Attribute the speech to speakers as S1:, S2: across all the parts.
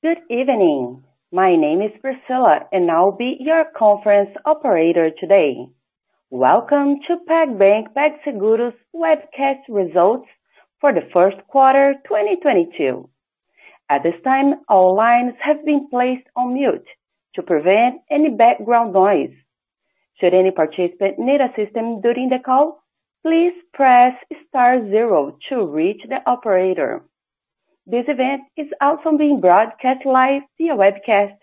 S1: Good evening. My name is Priscilla, and I'll be your conference operator today. Welcome to PagBank PagSeguro's webcast results for the first quarter 2022. At this time, all lines have been placed on mute to prevent any background noise. Should any participant need assistance during the call, please press star zero to reach the operator. This event is also being broadcast live via webcast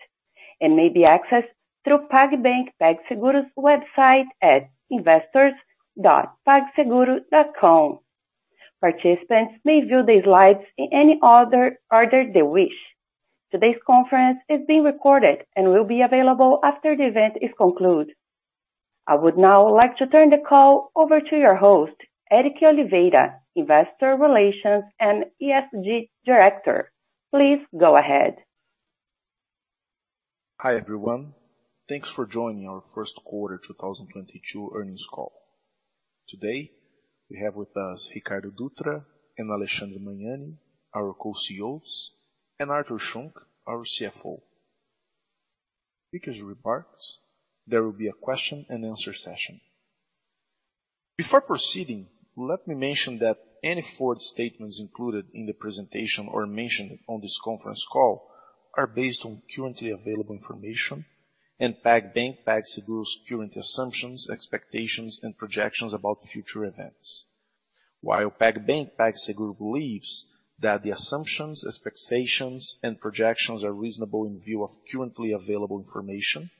S1: and may be accessed through PagBank PagSeguro's website at investors.pagseguro.com. Participants may view the slides in any order they wish. Today's conference is being recorded and will be available after the event is concluded. I would now like to turn the call over to your host, Éric Oliveira, Investor Relations and ESG Director. Please go ahead.
S2: Hi, everyone. Thanks for joining our first quarter 2022 earnings call. Today, we have with us Ricardo Dutra and Alexandre Magnani, our co-CEOs, and Artur Schunck, our CFO. Speakers' remarks. There will be a question and answer session. Before proceeding, let me mention that any forward statements included in the presentation or mentioned on this conference call are based on currently available information and PagBank PagSeguro's current assumptions, expectations, and projections about future events. While PagBank PagSeguro believes that the assumptions, expectations, and projections are reasonable in view of currently available information,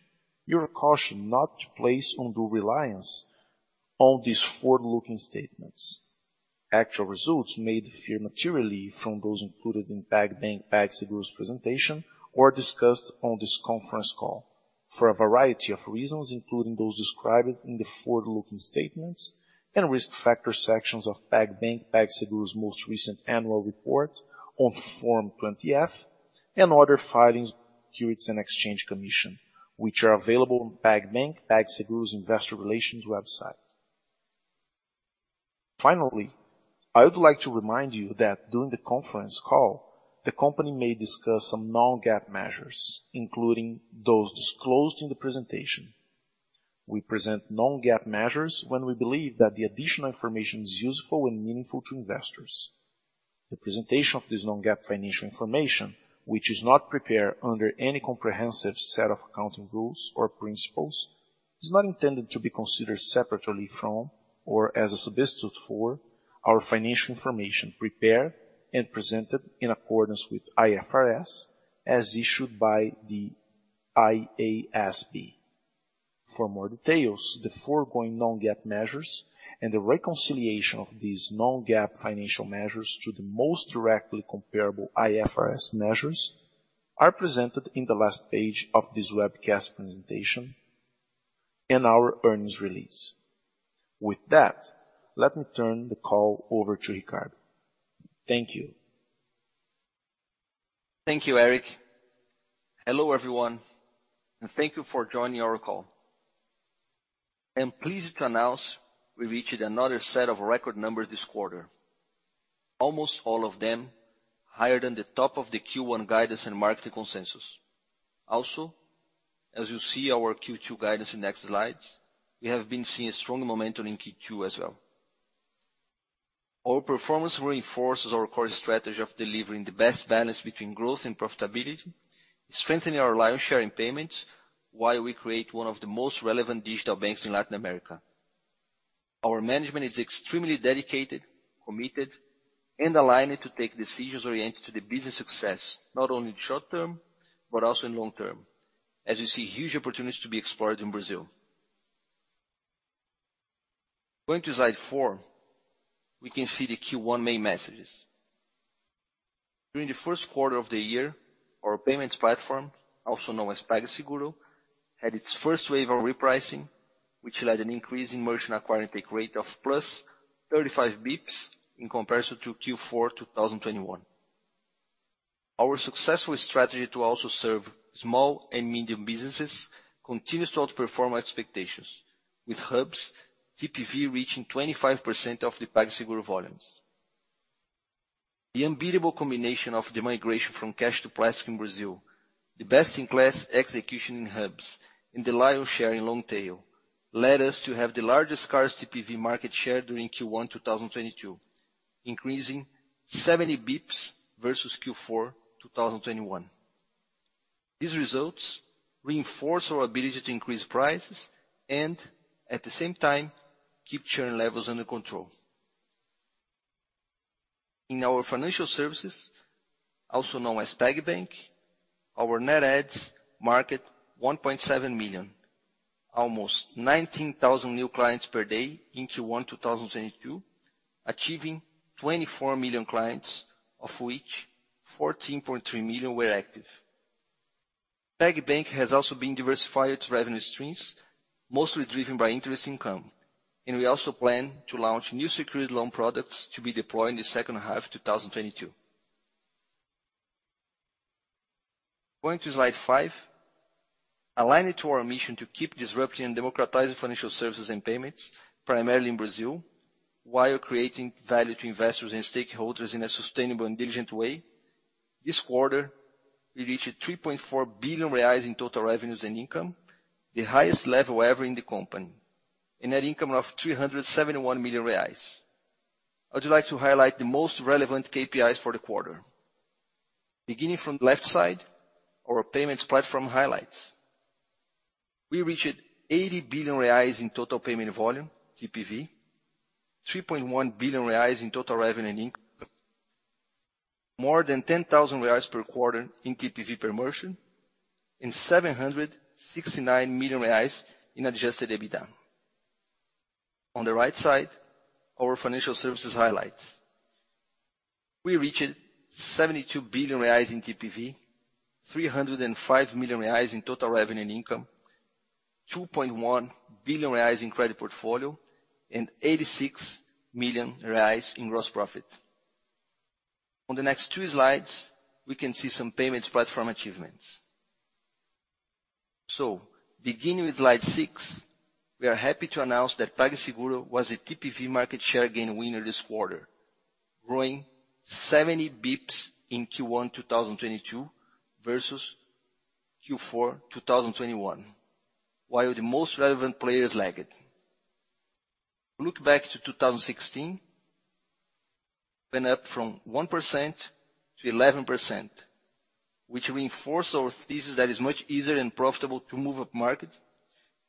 S2: you are cautioned not to place undue reliance on these forward-looking statements. Actual results may differ materially from those included in PagBank PagSeguro's presentation or discussed on this conference call for a variety of reasons, including those described in the forward-looking statements and risk factor sections of PagBank PagSeguro's most recent annual report on Form 20-F and other filings with the Securities and Exchange Commission, which are available on PagBank PagSeguro's investor relations website. Finally, I would like to remind you that during the conference call, the company may discuss some non-GAAP measures, including those disclosed in the presentation. We present non-GAAP measures when we believe that the additional information is useful and meaningful to investors. The presentation of this non-GAAP financial information, which is not prepared under any comprehensive set of accounting rules or principles, is not intended to be considered separately from or as a substitute for our financial information prepared and presented in accordance with IFRS, as issued by the IASB. For more details, the foregoing non-GAAP measures and the reconciliation of these non-GAAP financial measures to the most directly comparable IFRS measures are presented in the last page of this webcast presentation and our earnings release. With that, let me turn the call over to Ricardo. Thank you.
S3: Thank you, Éric. Hello, everyone, and thank you for joining our call. I am pleased to announce we reached another set of record numbers this quarter, almost all of them higher than the top of the Q1 guidance and market consensus. Also, as you'll see our Q2 guidance in next slides, we have been seeing strong momentum in Q2 as well. Our performance reinforces our core strategy of delivering the best balance between growth and profitability, strengthening our lion's share in payments while we create one of the most relevant digital banks in Latin America. Our management is extremely dedicated, committed, and aligned to take decisions oriented to the business success, not only in short term, but also in long term, as we see huge opportunities to be explored in Brazil. Going to Slide 4, we can see the Q1 main messages. During the first quarter of the year, our payments platform, also known as PagSeguro, had its first wave of repricing, which led to an increase in merchant acquiring take rate of +35 basis points in comparison to Q4 2021. Our successful strategy to also serve small and medium businesses continues to outperform expectations, with Hubs TPV reaching 25% of the PagSeguro volumes. The unbeatable combination of the migration from cash to plastic in Brazil, the best-in-class execution in Hubs, and the lion's share in long tail led us to have the largest cards TPV market share during Q1 2022, increasing 70 basis points versus Q4 2021. These results reinforce our ability to increase prices and at the same time, keep churn levels under control. In our financial services, also known as PagBank, our net adds marked 1.7 million, almost 19,000 new clients per day in Q1 2022, achieving 24 million clients, of which 14.3 million were active. PagBank has also been diversifying its revenue streams, mostly driven by interest income. We also plan to launch new secured loan products to be deployed in the second half 2022. Going to slide five. Aligned to our mission to keep disrupting and democratizing financial services and payments, primarily in Brazil, while creating value to investors and stakeholders in a sustainable and diligent way, this quarter we reached 3.4 billion reais in total revenues and income, the highest level ever in the company, a net income of 371 million reais. I'd like to highlight the most relevant KPIs for the quarter. Beginning from the left side, our payments platform highlights. We reached 80 billion reais in total payment volume, TPV, 3.1 billion reais in total revenue and income, more than 10,000 reais per quarter in TPV per merchant, and 769 million reais in Adjusted EBITDA. On the right side, our financial services highlights. We reached 72 billion reais in TPV, 305 million reais in total revenue and income, 2.1 billion reais in credit portfolio, and 86 million reais in gross profit. On the next two slides, we can see some payments platform achievements. Beginning with slide six, we are happy to announce that PagSeguro was a TPV market share gain winner this quarter, growing 70 basis points in Q1 2022 versus Q4 2021, while the most relevant players lagged. Look back to 2016, went up from 1% to 11%, which reinforce our thesis that is much easier and profitable to move upmarket,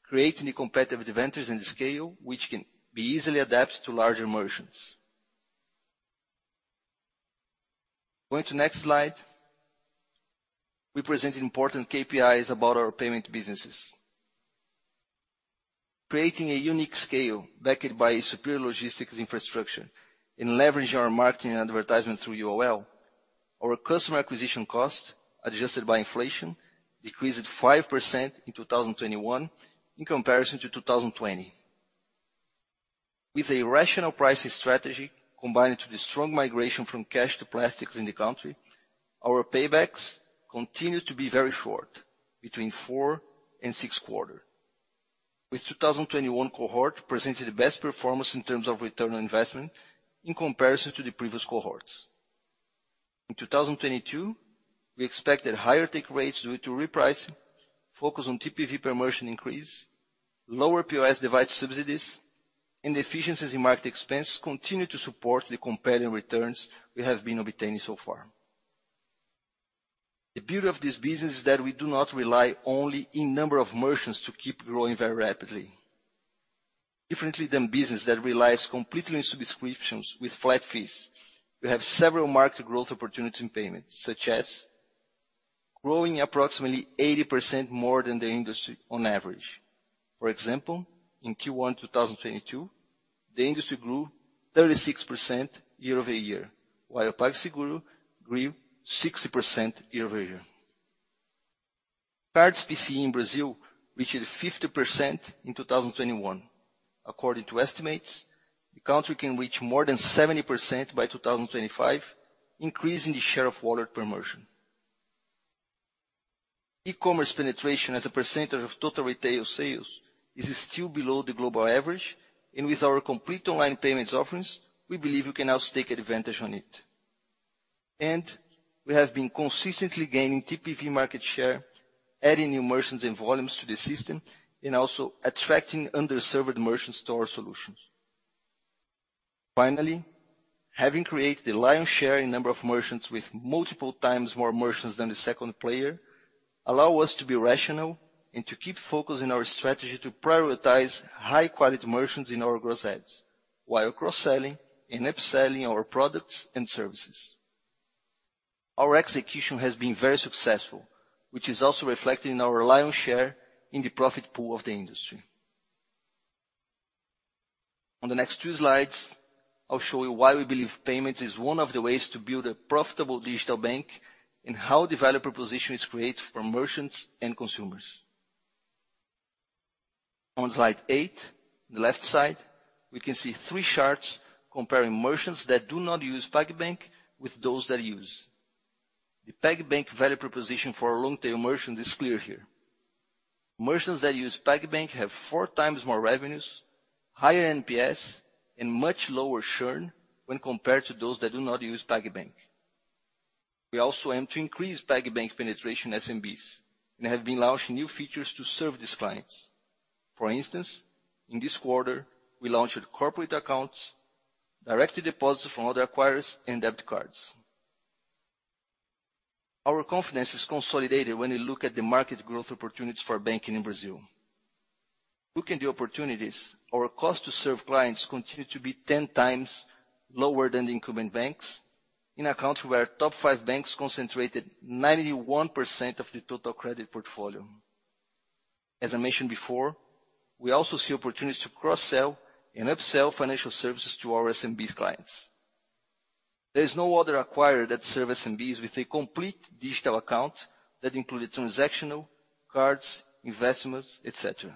S3: creating the competitive advantages and scale, which can be easily adapted to larger merchants. Going to next slide, we present important KPIs about our payment businesses. Creating a unique scale backed by superior logistics infrastructure and leveraging our marketing and advertisement through UOL, our customer acquisition costs, adjusted by inflation, decreased 5% in 2021 in comparison to 2020. With a rational pricing strategy combined to the strong migration from cash to plastics in the country, our paybacks continued to be very short, between 4 and 6 quarter, with 2021 cohort presenting the best performance in terms of return on investment in comparison to the previous cohorts. In 2022, we expect that higher take rates due to repricing, focus on TPV per merchant increase, lower POS device subsidies, and efficiencies in market expense continue to support the compelling returns we have been obtaining so far. The beauty of this business is that we do not rely only in number of merchants to keep growing very rapidly. Differently than business that relies completely on subscriptions with flat fees, we have several market growth opportunities in payments, such as growing approximately 80% more than the industry on average. For example, in Q1 2022, the industry grew 36% year-over-year, while PagSeguro grew 60% year-over-year. Cards PCE in Brazil reached 50% in 2021. According to estimates, the country can reach more than 70% by 2025, increasing the share of wallet per merchant. E-commerce penetration as a percentage of total retail sales is still below the global average, and with our complete online payments offerings, we believe we can now take advantage of it. We have been consistently gaining TPV market share, adding new merchants and volumes to the system and also attracting underserved merchants to our solutions. Finally, having created the lion's share in number of merchants with multiple times more merchants than the second player, allow us to be rational and to keep focused on our strategy to prioritize high quality merchants in our gross adds while cross-selling and upselling our products and services. Our execution has been very successful, which is also reflected in our lion's share in the profit pool of the industry. On the next two slides, I'll show you why we believe payments is one of the ways to build a profitable digital bank and how the value proposition is created for merchants and consumers. On slide eight, the left side, we can see three charts comparing merchants that do not use PagBank with those that use. The PagBank value proposition for long-tail merchants is clear here. Merchants that use PagBank have 4x more revenues, higher NPS, and much lower churn when compared to those that do not use PagBank. We also aim to increase PagBank penetration in SMBs and have been launching new features to serve these clients. For instance, in this quarter, we launched corporate accounts, direct deposits from other acquirers, and debit cards. Our confidence is consolidated when we look at the market growth opportunities for banking in Brazil. Looking at the opportunities, our cost to serve clients continue to be 10x lower than the incumbent banks in a country where top five banks concentrated 91% of the total credit portfolio. As I mentioned before, we also see opportunities to cross-sell and upsell financial services to our SMBs clients. There is no other acquirer that serve SMBs with a complete digital account that include transactional cards, investments, et cetera.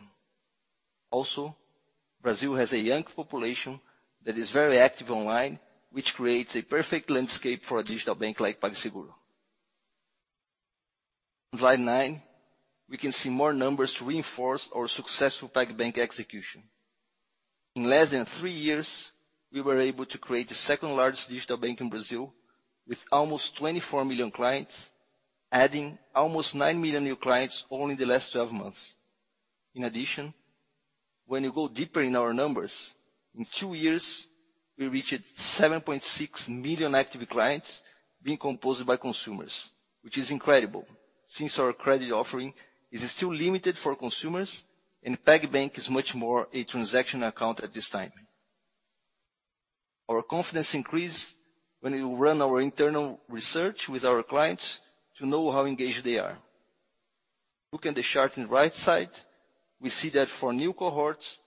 S3: Brazil has a young population that is very active online, which creates a perfect landscape for a digital bank like PagSeguro. Slide nine, we can see more numbers to reinforce our successful PagBank execution. In less than three years, we were able to create the second-largest digital bank in Brazil with almost 24 million clients, adding almost 9 million new clients only in the last 12 months. In addition, when you go deeper in our numbers, in two years, we reached 7.6 million active clients being composed by consumers, which is incredible since our credit offering is still limited for consumers, and PagBank is much more a transaction account at this time. Our confidence increased when we ran our internal research with our clients to know how engaged they are. Look at the chart on the right side, we see that for new cohorts,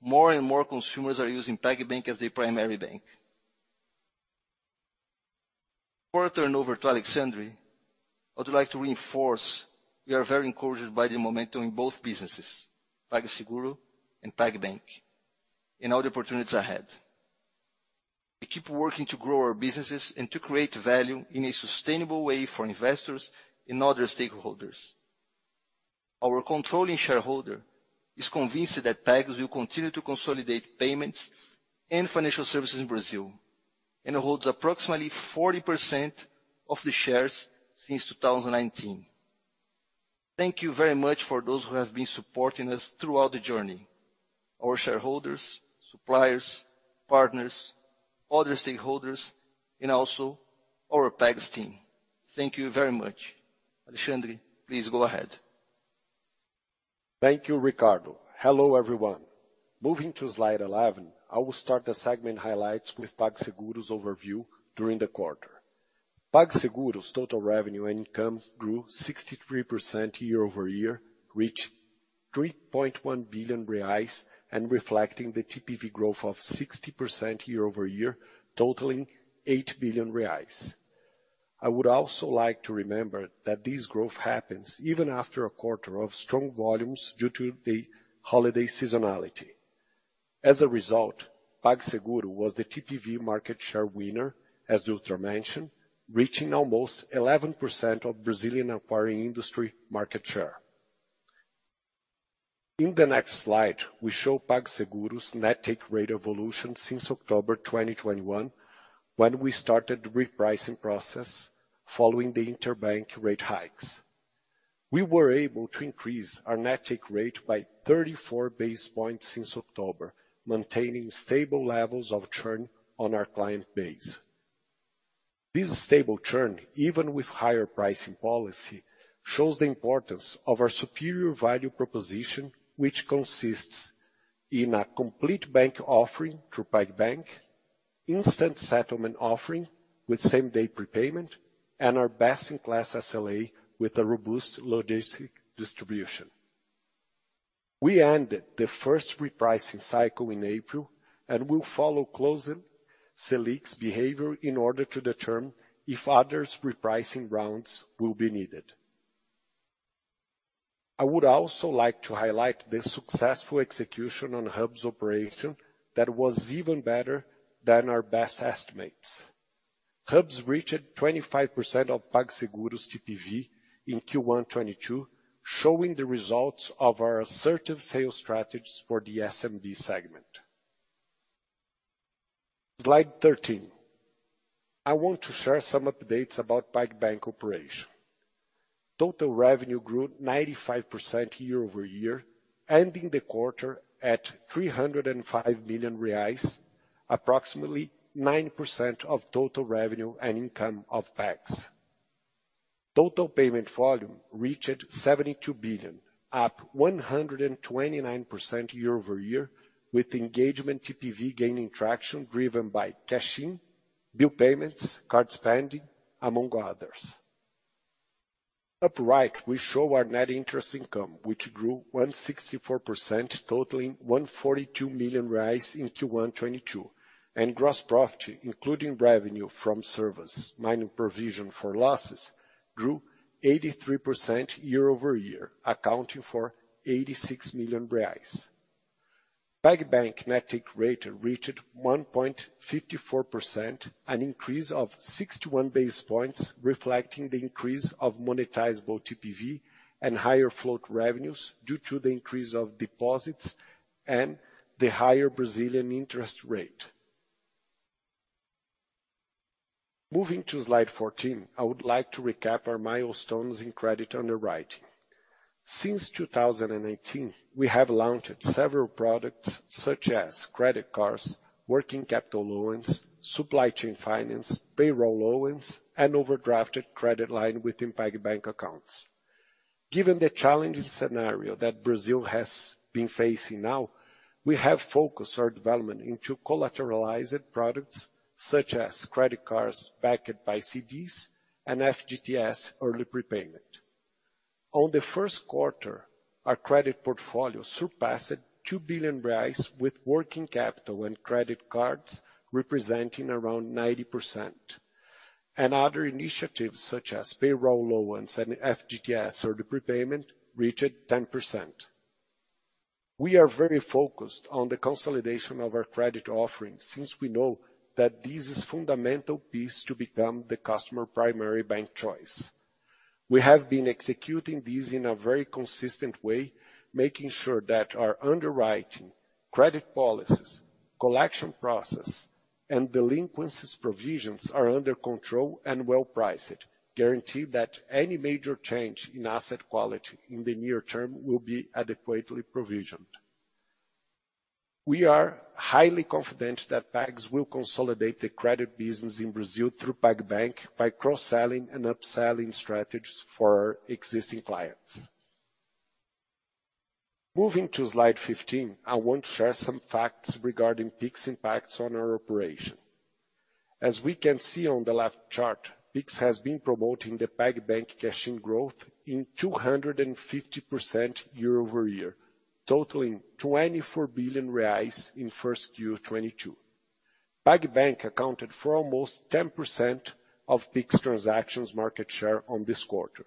S3: more and more consumers are using PagBank as their primary bank. Before I turn over to Alexandre, I would like to reinforce we are very encouraged by the momentum in both businesses, PagSeguro and PagBank, and all the opportunities ahead. We keep working to grow our businesses and to create value in a sustainable way for investors and other stakeholders. Our controlling shareholder is convinced that PagS will continue to consolidate payments and financial services in Brazil, and holds approximately 40% of the shares since 2019. Thank you very much for those who have been supporting us throughout the journey. Our shareholders, suppliers, partners, other stakeholders, and also our PagS team. Thank you very much. Alexandre, please go ahead.
S4: Thank you, Ricardo. Hello, everyone. Moving to slide 11, I will start the segment highlights with PagSeguro's overview during the quarter. PagSeguro's total revenue income grew 63% year-over-year, reached 3.1 billion reais, and reflecting the TPV growth of 60% year-over-year, totaling 8 billion reais. I would also like to remember that this growth happens even after a quarter of strong volumes due to the holiday seasonality. As a result, PagSeguro was the TPV market share winner, as Ricardo Dutra mentioned, reaching almost 11% of Brazilian acquiring industry market share. In the next slide, we show PagSeguro's net take rate evolution since October 2021, when we started the repricing process following the interbank rate hikes. We were able to increase our net take rate by 34 basis points since October, maintaining stable levels of churn on our client base. This stable churn, even with higher pricing policy, shows the importance of our superior value proposition, which consists in a complete bank offering through PagBank, instant settlement offering with same-day prepayment, and our best-in-class SLA with a robust logistic distribution. We ended the first repricing cycle in April and will follow closely Selic's behavior in order to determine if other repricing rounds will be needed. I would also like to highlight the successful execution on Hubs operation that was even better than our best estimates. Hubs reached 25% of PagSeguro's TPV in Q1 2022, showing the results of our assertive sales strategies for the SMB segment. Slide 13. I want to share some updates about PagBank operation. Total revenue grew 95% year-over-year, ending the quarter at 305 million reais, approximately 9% of total revenue and income of PagSeguro. Total payment volume reached 72 billion, up 129% year-over-year, with engagement TPV gaining traction driven by cash-in, bill payments, card spending, among others. In the upper right, we show our net interest income, which grew 164%, totaling 142 million reais in Q1 2022. Gross profit, including revenue from service minus provision for losses, grew 83% year-over-year, accounting for BRL 86 million. PagBank net take rate reached 1.54%, an increase of 61 basis points, reflecting the increase of monetizable TPV and higher float revenues due to the increase of deposits and the higher Brazilian interest rate. Moving to slide 14, I would like to recap our milestones in credit underwriting. Since 2018, we have launched several products such as credit cards, working capital loans, supply chain finance, payroll loans, and overdraft credit line within PagBank accounts. Given the challenging scenario that Brazil has been facing now, we have focused our development into collateralized products such as credit cards backed by CDs and FGTS early prepayment. On the first quarter, our credit portfolio surpassed 2 billion reais with working capital and credit cards representing around 90%. Other initiatives such as payroll loans and FGTS or the prepayment reached 10%. We are very focused on the consolidation of our credit offerings since we know that this is fundamental piece to become the customer primary bank choice. We have been executing this in a very consistent way, making sure that our underwriting, credit policies, collection process, and delinquencies provisions are under control and well-priced, guarantee that any major change in asset quality in the near term will be adequately provisioned. We are highly confident that Pag will consolidate the credit business in Brazil through PagBank by cross-selling and upselling strategies for our existing clients. Moving to slide 15, I want to share some facts regarding Pix impacts on our operation. As we can see on the left chart, Pix has been promoting the PagBank cash-in growth in 250% year-over-year, totaling BRL 24 billion in 1Q 2022. PagBank accounted for almost 10% of Pix transactions market share on this quarter.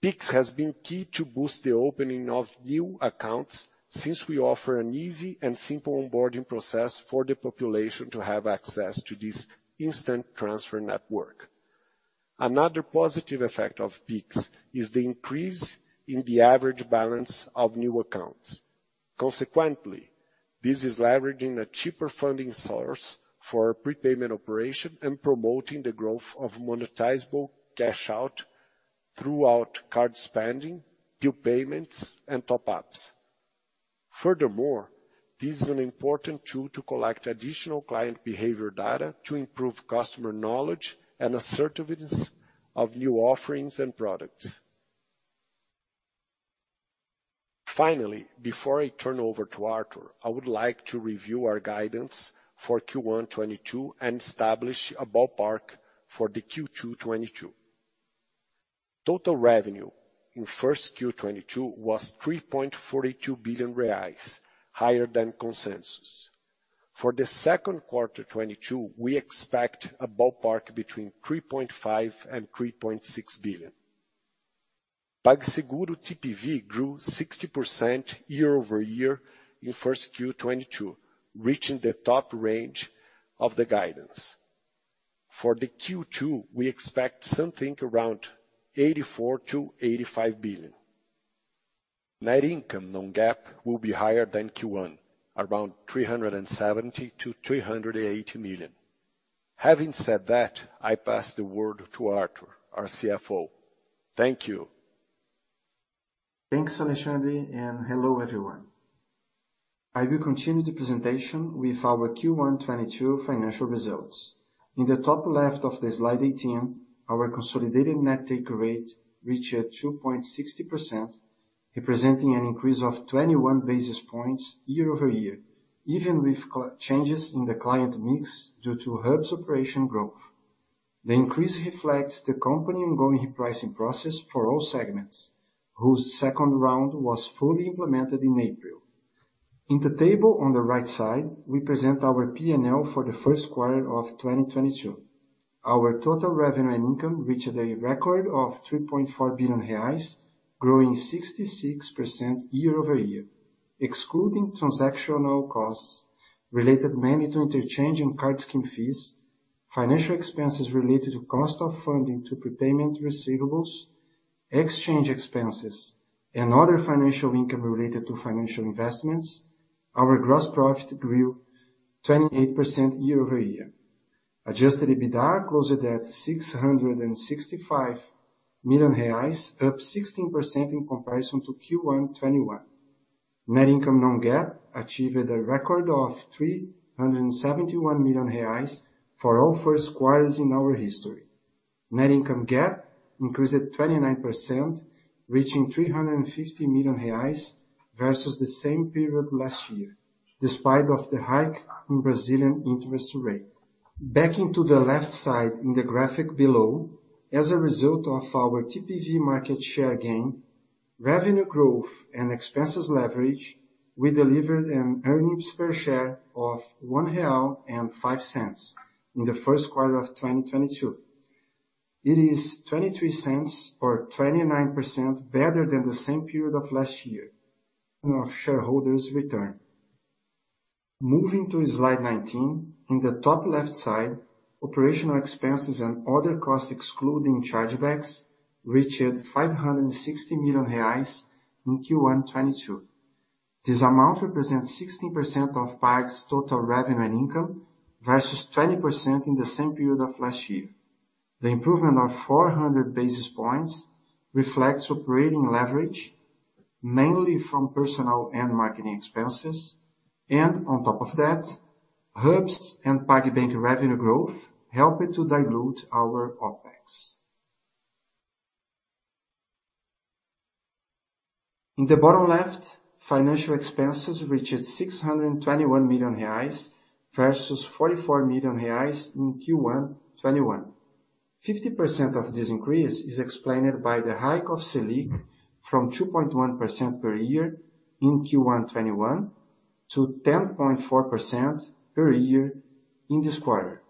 S4: Pix has been key to boost the opening of new accounts since we offer an easy and simple onboarding process for the population to have access to this instant transfer network. Another positive effect of Pix is the increase in the average balance of new accounts. Consequently, this is leveraging a cheaper funding source for prepayment operation and promoting the growth of monetizable cash out throughout card spending, bill payments, and top-ups. Furthermore, this is an important tool to collect additional client behavior data to improve customer knowledge and assertiveness of new offerings and products. Finally, before I turn over to Artur, I would like to review our guidance for Q1 2022 and establish a ballpark for the Q2 2022. Total revenue in 1Q 2022 was 3.42 billion reais, higher than consensus. For the second quarter 2022, we expect a ballpark between 3.5 billion and 3.6 billion. PagSeguro TPV grew 60% year-over-year in 1Q 2022, reaching the top range of the guidance. For the Q2, we expect something around 84 billion to 85 billion. Net income non-GAAP will be higher than Q1, around 370 million to 380 million. Having said that, I pass the word to Artur, our CFO. Thank you.
S5: Thanks, Alexandre, and hello, everyone. I will continue the presentation with our Q1 2022 financial results. In the top left of the slide 18, our consolidated net take rate reached 2.60%, representing an increase of 21 basis points year-over-year, even with changes in the client mix due to Hubs' operation growth. The increase reflects the company's ongoing pricing process for all segments, whose second round was fully implemented in April. In the table on the right side, we present our P&L for the first quarter of 2022. Our total revenue and income reached a record of 3.4 billion reais, growing 66% year-over-year. Excluding transactional costs related mainly to interchange and card scheme fees, financial expenses related to cost of funding to prepayment receivables, exchange expenses, and other financial income related to financial investments, our gross profit grew 28% year-over-year. Adjusted EBITDA closed at 665 million reais, up 16% in comparison to Q1 2021. Net income non-GAAP achieved a record of 371 million reais for all first quarters in our history. Net income GAAP increased 29%, reaching 350 million reais versus the same period last year, despite the hike in Brazilian interest rate. Back to the left side in the graphic below, as a result of our TPV market share gain, revenue growth and expenses leverage, we delivered an earnings per share of 1.05 real in the first quarter of 2022. It is 0.23 Or 29% better than the same period of last year of shareholders' return. Moving to slide 19, in the top left side, operational expenses and other costs excluding chargebacks reached 560 million reais in Q1 2022. This amount represents 16% of Pag's total revenue and income versus 20% in the same period of last year. The improvement of 400 basis points reflects operating leverage mainly from personnel and marketing expenses. On top of that, Hubs and PagBank revenue growth helped to dilute our OpEx. In the bottom left, financial expenses reached 621 million reais versus 44 million reais in Q1 2021. 50% of this increase is explained by the hike of Selic from 2.1% per year in Q1 2021 to 10.4% per year in this quarter.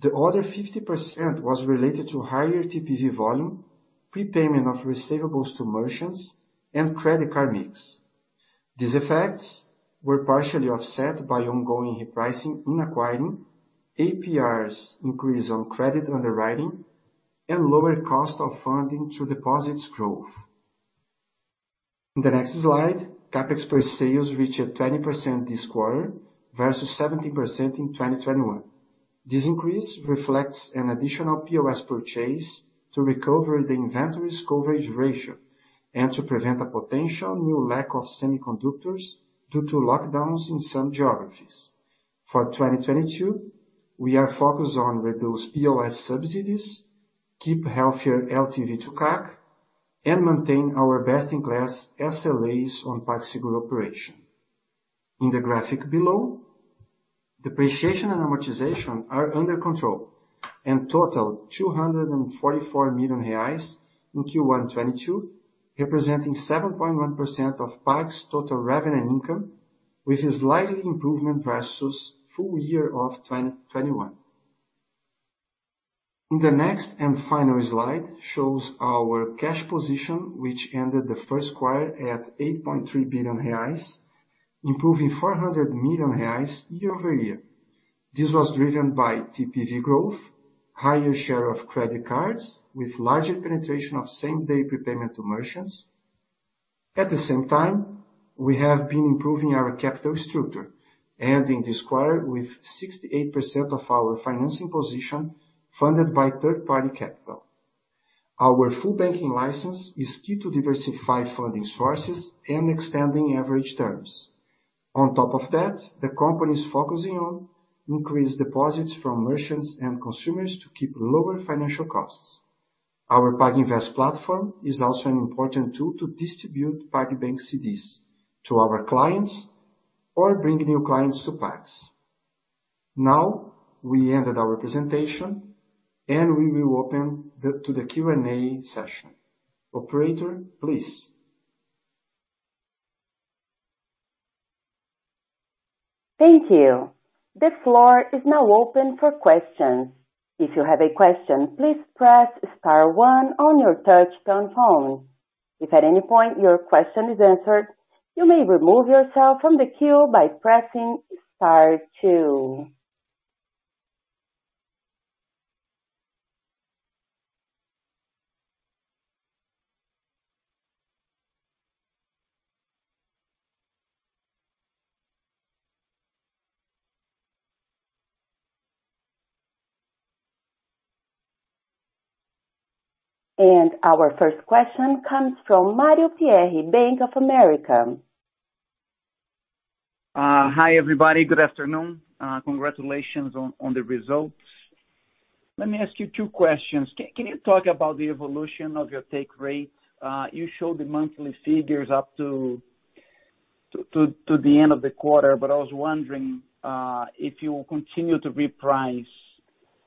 S5: The other 50% was related to higher TPV volume, prepayment of receivables to merchants, and credit card mix. These effects were partially offset by ongoing repricing in acquiring APRs increase on credit underwriting and lower cost of funding through deposits growth. In the next slide, CapEx per sales reached 20% this quarter versus 17% in 2021. This increase reflects an additional POS purchase to recover the inventories coverage ratio and to prevent a potential new lack of semiconductors due to lockdowns in some geographies. For 2022, we are focused on reduce POS subsidies, keep healthier LTV to CAC, and maintain our best in class SLAs on PagSeguro operation. In the graphic below, depreciation and amortization are under control and total 244 million reais in Q1 2022, representing 7.1% of Pag's total revenue income, with a slight improvement versus full year of 2021. In the next and final slide shows our cash position, which ended the first quarter at 8.3 billion reais, improving 400 million reais year-over-year. This was driven by TPV growth, higher share of credit cards with larger penetration of same-day prepayment to merchants. At the same time, we have been improving our capital structure, ending this quarter with 68% of our financing position funded by third-party capital. Our full banking license is key to diversify funding sources and extending average terms. On top of that, the company's focusing on increased deposits from merchants and consumers to keep lower financial costs. Our PagInvest platform is also an important tool to distribute PagBank CDs to our clients or bring new clients to Pag. Now, we ended our presentation, and we will open to the Q&A session. Operator, please.
S1: Thank you. The floor is now open for questions. If you have a question, please press star one on your touchtone phone. If at any point your question is answered, you may remove yourself from the queue by pressing star two. Our first question comes from Mario Pierry, Bank of America.
S6: Hi, everybody. Good afternoon. Congratulations on the results. Let me ask you two questions. Can you talk about the evolution of your take rate? You showed the monthly figures up to the end of the quarter. I was wondering if you will continue to reprice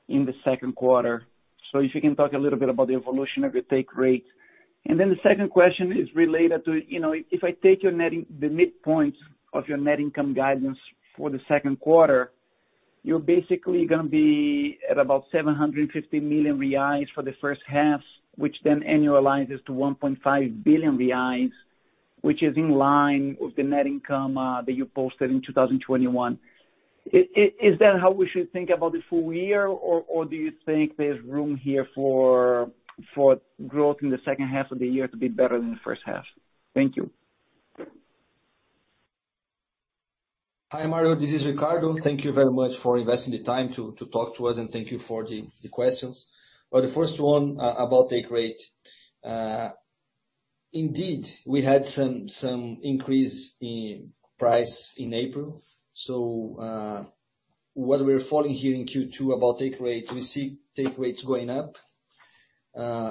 S6: in the second quarter. If you can talk a little bit about the evolution of your take rate. Then the second question is related to, you know, if I take your net income, the midpoint of your net income guidance for the second quarter, you're basically gonna be at about 750 million reais for the first half, which then annualizes to 1.5 billion reais, which is in line with the net income that you posted in 2021. Is that how we should think about the full year, or do you think there's room here for growth in the second half of the year to be better than the first half? Thank you.
S3: Hi, Mario. This is Ricardo. Thank you very much for investing the time to talk to us, and thank you for the questions. For the first one about take rate. Indeed, we had some increase in price in April. What we're following here in Q2 about take rate, we see take rates going up.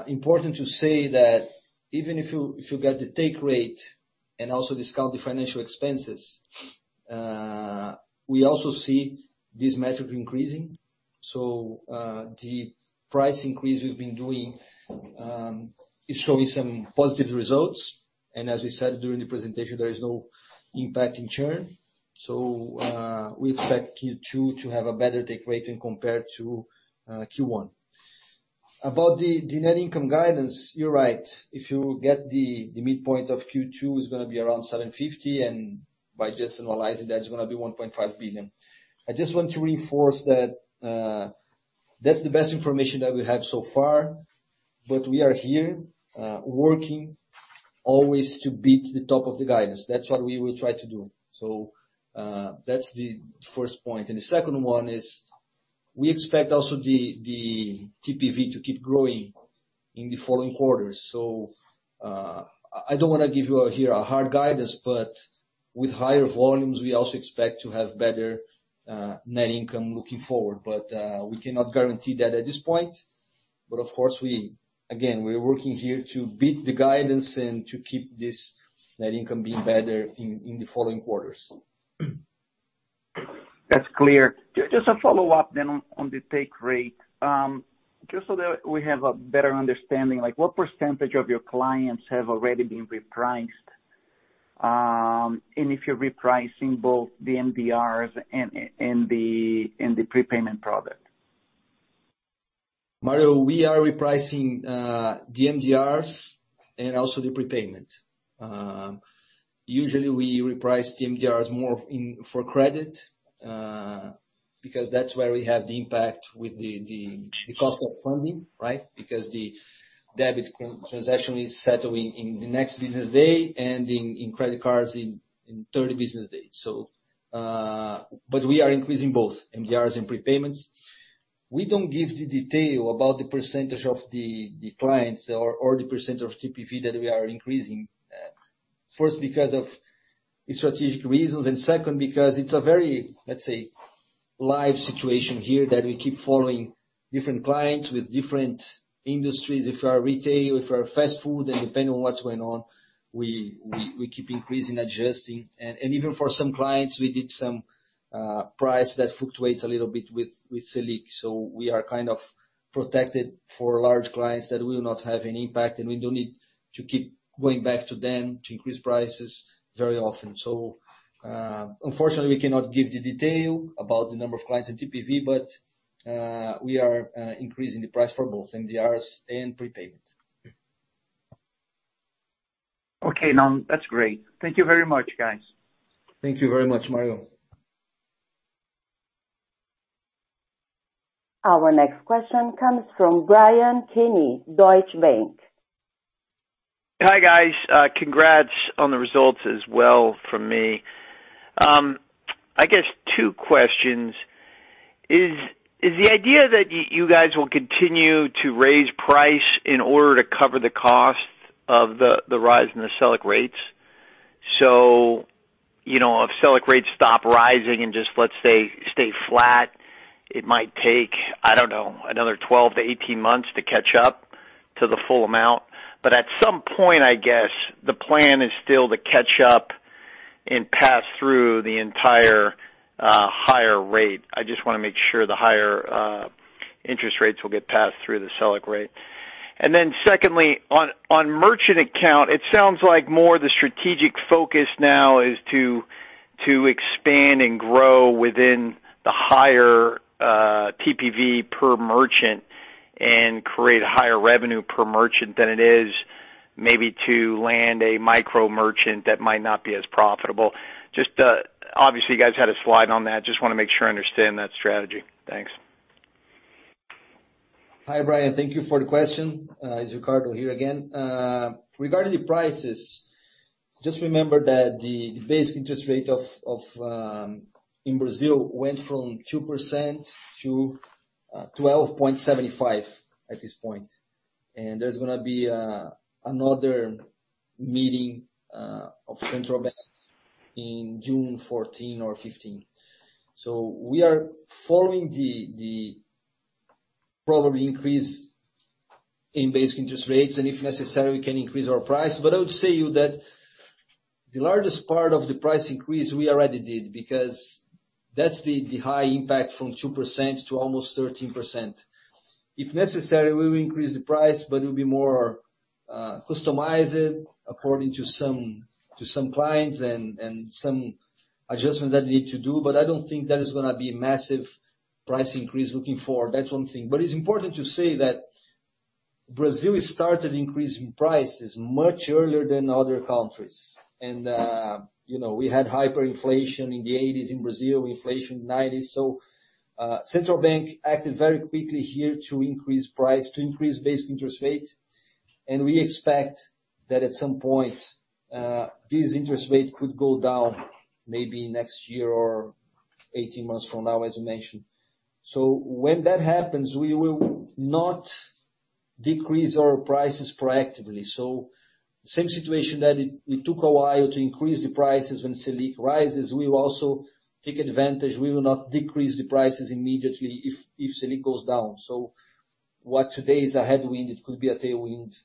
S3: Important to say that even if you get the take rate and also discount the financial expenses, we also see this metric increasing. The price increase we've been doing is showing some positive results. As we said during the presentation, there is no impact in churn. We expect Q2 to have a better take rate in compared to Q1. About the net income guidance, you're right. If you get the midpoint of Q2, it's gonna be around 750, and by just analyzing that, it's gonna be 1.5 billion. I just want to reinforce that's the best information that we have so far. We are here working always to beat the top of the guidance. That's what we will try to do. That's the first point. The second one is we expect also the TPV to keep growing in the following quarters. I don't wanna give you here a hard guidance, but with higher volumes, we also expect to have better net income looking forward. We cannot guarantee that at this point. Of course we again, we're working here to beat the guidance and to keep this net income being better in the following quarters.
S6: That's clear. Just a follow-up on the take rate. Just so that we have a better understanding, like what percentage of your clients have already been repriced? If you're repricing both the MDRs and the prepayment product?
S3: Mario, we are repricing the MDRs and also the prepayment. Usually we reprice the MDRs more for credit because that's where we have the impact with the cost of funding, right? Because the debit transaction is settling in the next business day and in credit cards in thirty business days. We are increasing both MDRs and prepayments. We don't give the detail about the percentage of the clients or the percent of TPV that we are increasing. First, because of the strategic reasons, and second, because it's a very, let's say, live situation here that we keep following different clients with different industries. If they are retail, if they are fast food, and depending on what's going on, we keep increasing, adjusting. Even for some clients, we did some price that fluctuates a little bit with Selic. We are kind of protected for large clients that will not have any impact, and we don't need to keep going back to them to increase prices very often. Unfortunately, we cannot give the detail about the number of clients in TPV, but we are increasing the price for both MDRs and prepayment.
S6: Okay now. That's great. Thank you very much, guys.
S3: Thank you very much, Mario.
S1: Our next question comes from Bryan Keane, Deutsche Bank.
S7: Hi, guys. Congrats on the results as well from me. I guess two questions. Is the idea that you guys will continue to raise price in order to cover the cost of the rise in the Selic rates? You know, if Selic rates stop rising and just, let's say, stay flat, it might take, I don't know, another 12-18 months to catch up to the full amount. I guess, the plan is still to catch up and pass through the entire higher rate. I just wanna make sure the higher interest rates will get passed through the Selic rate. Secondly, on merchant account, it sounds like more the strategic focus now is to expand and grow within the higher TPV per merchant and create a higher revenue per merchant than it is maybe to land a micro merchant that might not be as profitable. Just obviously, you guys had a slide on that. Just wanna make sure I understand that strategy. Thanks.
S3: Hi, Bryan. Thank you for the question. It's Ricardo here again. Regarding the prices, just remember that the basic interest rate in Brazil went from 2% to 12.75% at this point. There's gonna be another meeting of Central Bank in June 14 or 15. We are following the probable increase in basic interest rates, and if necessary, we can increase our price. But I would say to you that the largest part of the price increase we already did because that's the high impact from 2% to almost 13%. If necessary, we will increase the price, but it'll be more customized according to some clients and some adjustments that we need to do. But I don't think there is gonna be a massive price increase looking forward. That's one thing. It's important to say that Brazil started increasing prices much earlier than other countries. You know, we had hyperinflation in the 1980s in Brazil, inflation 1990s. Central Bank acted very quickly here to increase price, to increase basic interest rates. We expect that at some point, this interest rate could go down maybe next year or 18 months from now, as you mentioned. When that happens, we will not decrease our prices proactively. Same situation that it took a while to increase the prices when Selic rises, we will also take advantage. We will not decrease the prices immediately if Selic goes down. What today is a headwind, it could be a tailwind,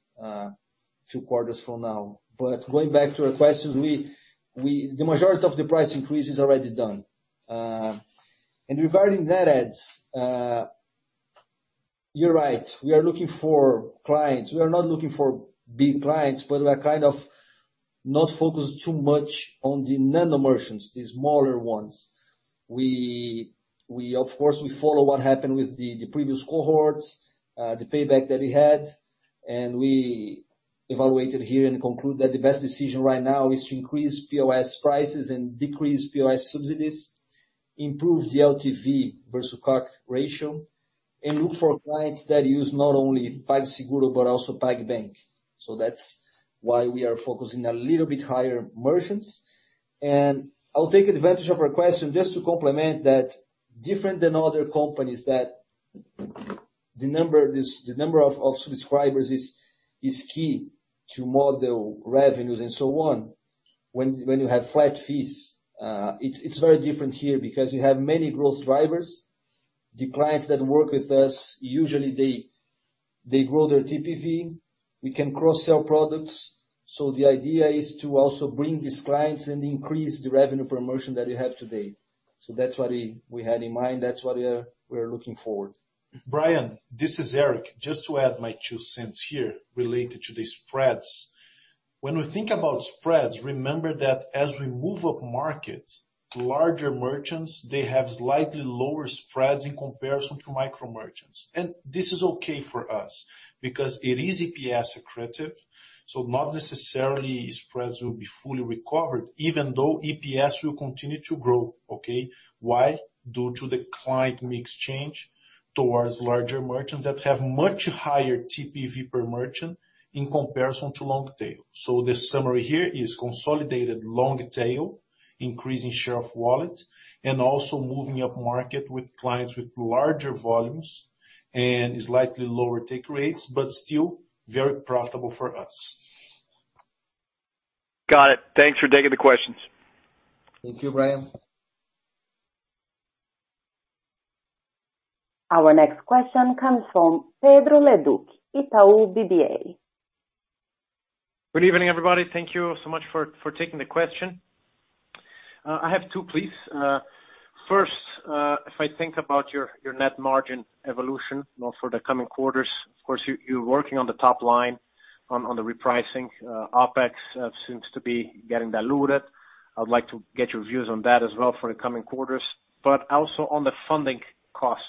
S3: 2 quarters from now. Going back to your question, The majority of the price increase is already done. Regarding net adds, you're right, we are looking for clients. We are not looking for big clients, but we are kind of not focused too much on the nano merchants, the smaller ones. We of course follow what happened with the previous cohorts, the payback that we had, and we evaluated here and conclude that the best decision right now is to increase POS prices and decrease POS subsidies, improve the LTV versus CAC ratio, and look for clients that use not only PagSeguro but also PagBank. That's why we are focusing a little bit higher merchants. I'll take advantage of your question just to complement that different than other companies that the number of subscribers is key to model revenues and so on. When you have flat fees, it's very different here because you have many growth drivers. The clients that work with us usually they grow their TPV, we can cross-sell products. The idea is to also bring these clients and increase the revenue per merchant that we have today. That's what we had in mind. That's what we're looking forward.
S2: Bryan, this is Éric. Just to add my two cents here related to the spreads. When we think about spreads, remember that as we move upmarket to larger merchants, they have slightly lower spreads in comparison to micro merchants. This is okay for us because it is EPS accretive, so not necessarily spreads will be fully recovered even though EPS will continue to grow. Okay? Why? Due to the client mix change towards larger merchants that have much higher TPV per merchant in comparison to long tail. The summary here is consolidated long tail, increasing share of wallet, and also moving upmarket with clients with larger volumes and slightly lower take rates, but still very profitable for us.
S7: Got it. Thanks for taking the questions.
S3: Thank you, Bryan.
S1: Our next question comes from Pedro Leduc, Itaú BBA.
S8: Good evening, everybody. Thank you so much for taking the question. I have two, please. First, if I think about your net margin evolution more for the coming quarters, of course you're working on the top line on the repricing. OpEx seems to be getting diluted. I would like to get your views on that as well for the coming quarters. But also on the funding cost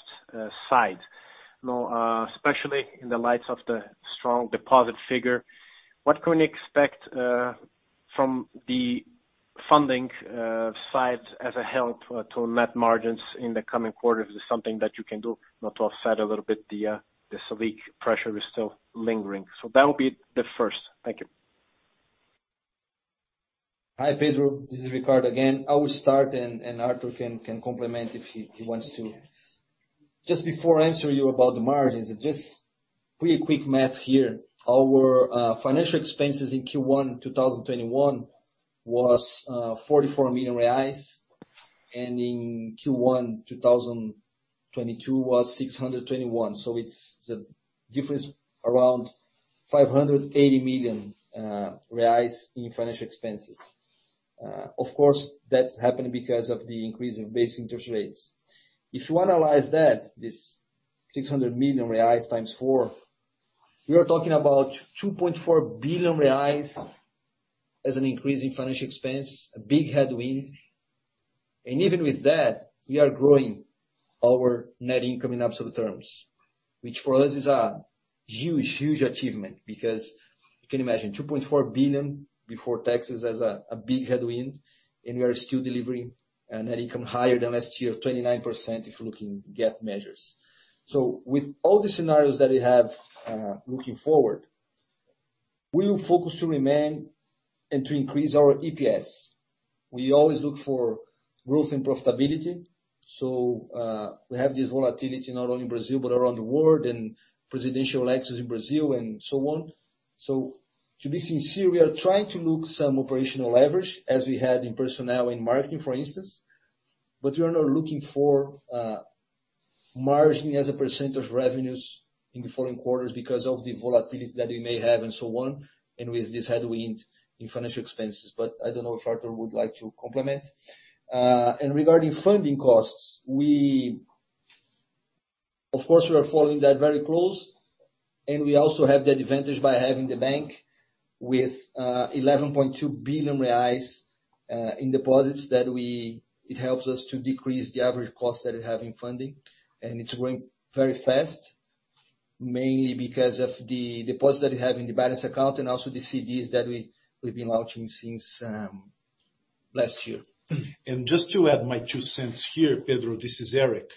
S8: side, you know, especially in the light of the strong deposit figure, what can we expect from the funding side as a help to net margins in the coming quarters? Is this something that you can do now to offset a little bit the Selic pressure is still lingering? So that'll be the first. Thank you.
S3: Hi, Pedro. This is Ricardo again. I will start and Artur can complement if he wants to. Just before I answer you about the margins, just pretty quick math here. Our financial expenses in Q1 2021 was 44 million reais, and in Q1 2022 was 621. It's the difference around 580 million reais in financial expenses. Of course, that's happened because of the increase in base interest rates. If you analyze that, this 600 million reais × 4, we are talking about 2.4 billion reais as an increase in financial expense, a big headwind. Even with that, we are growing our net income in absolute terms, which for us is a huge, huge achievement because you can imagine 2.4 billion before taxes as a big headwind, and we are still delivering a net income higher than last year, 29% if looking at GAAP measures. With all the scenarios that we have, looking forward, we will focus to remain and to increase our EPS. We always look for growth and profitability. We have this volatility not only in Brazil but around the world, and presidential elections in Brazil and so on. To be sincere, we are trying to look some operational leverage, as we had in personnel, in marketing, for instance. We are not looking for margin as a percent of revenues in the following quarters because of the volatility that we may have and so on, and with this headwind in financial expenses. I don't know if Artur would like to comment. Regarding funding costs, of course, we are following that very close, and we also have that advantage by having the bank with 11.2 billion reais in deposits that it helps us to decrease the average cost that we have in funding. It's growing very fast, mainly because of the deposits that we have in the bank account and also the CDs that we've been launching since last year.
S2: Just to add my two cents here, Pedro, this is Éric.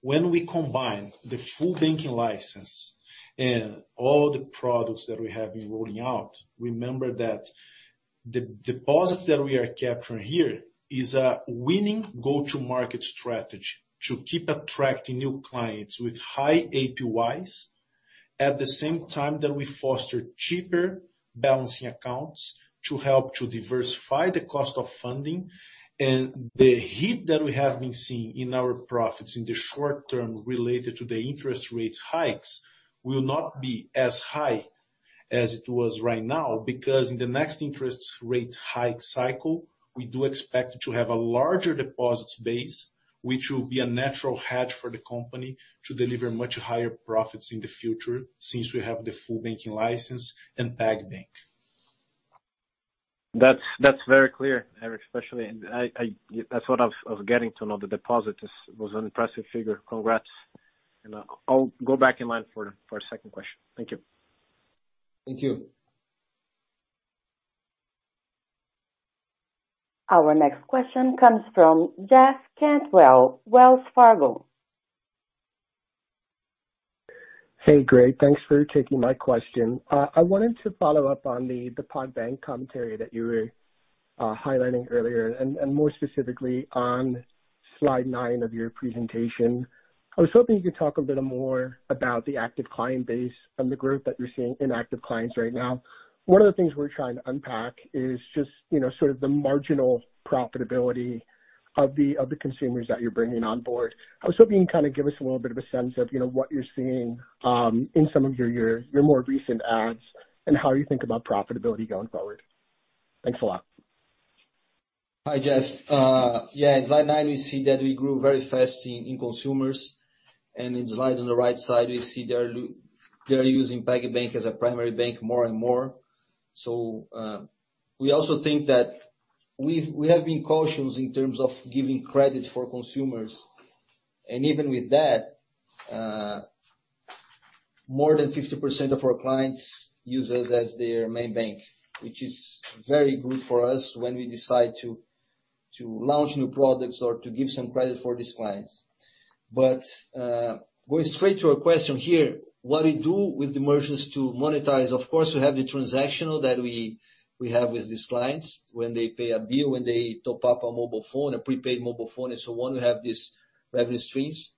S2: When we combine the full banking license and all the products that we have been rolling out, remember that the deposits that we are capturing here is a winning go-to-market strategy to keep attracting new clients with high APYs. At the same time that we foster cheaper balancing accounts to help to diversify the cost of funding and the hit that we have been seeing in our profits in the short term related to the interest rate hikes will not be as high as it was right now, because in the next interest rate hike cycle, we do expect to have a larger deposit base, which will be a natural hedge for the company to deliver much higher profits in the future since we have the full banking license and PagBank.
S8: That's very clear, Éric. Especially, that's what I was getting at. The deposit was an impressive figure. Congrats. I'll go back in line for a second question. Thank you.
S3: Thank you.
S1: Our next question comes from Jeff Cantwell, Wells Fargo.
S9: Hey, great. Thanks for taking my question. I wanted to follow up on the PagBank commentary that you were highlighting earlier, and more specifically on slide 9 of your presentation. I was hoping you could talk a little more about the active client base and the growth that you're seeing in active clients right now. One of the things we're trying to unpack is just, you know, sort of the marginal profitability of the consumers that you're bringing on board. I was hoping you'd kind of give us a little bit of a sense of, you know, what you're seeing in some of your more recent adds and how you think about profitability going forward. Thanks a lot.
S3: Hi, Jeff. Yeah, in slide nine we see that we grew very fast in consumers, and in the slide on the right side, we see they're using PagBank as a primary bank more and more. We also think that we have been cautious in terms of giving credit for consumers. Even with that, more than 50% of our clients use us as their main bank, which is very good for us when we decide to launch new products or to give some credit for these clients. Going straight to your question here, what we do with the merchants to monetize. Of course, we have the transactional that we have with these clients when they pay a bill, when they top up a mobile phone, a prepaid mobile phone and so on. We have these revenue streams.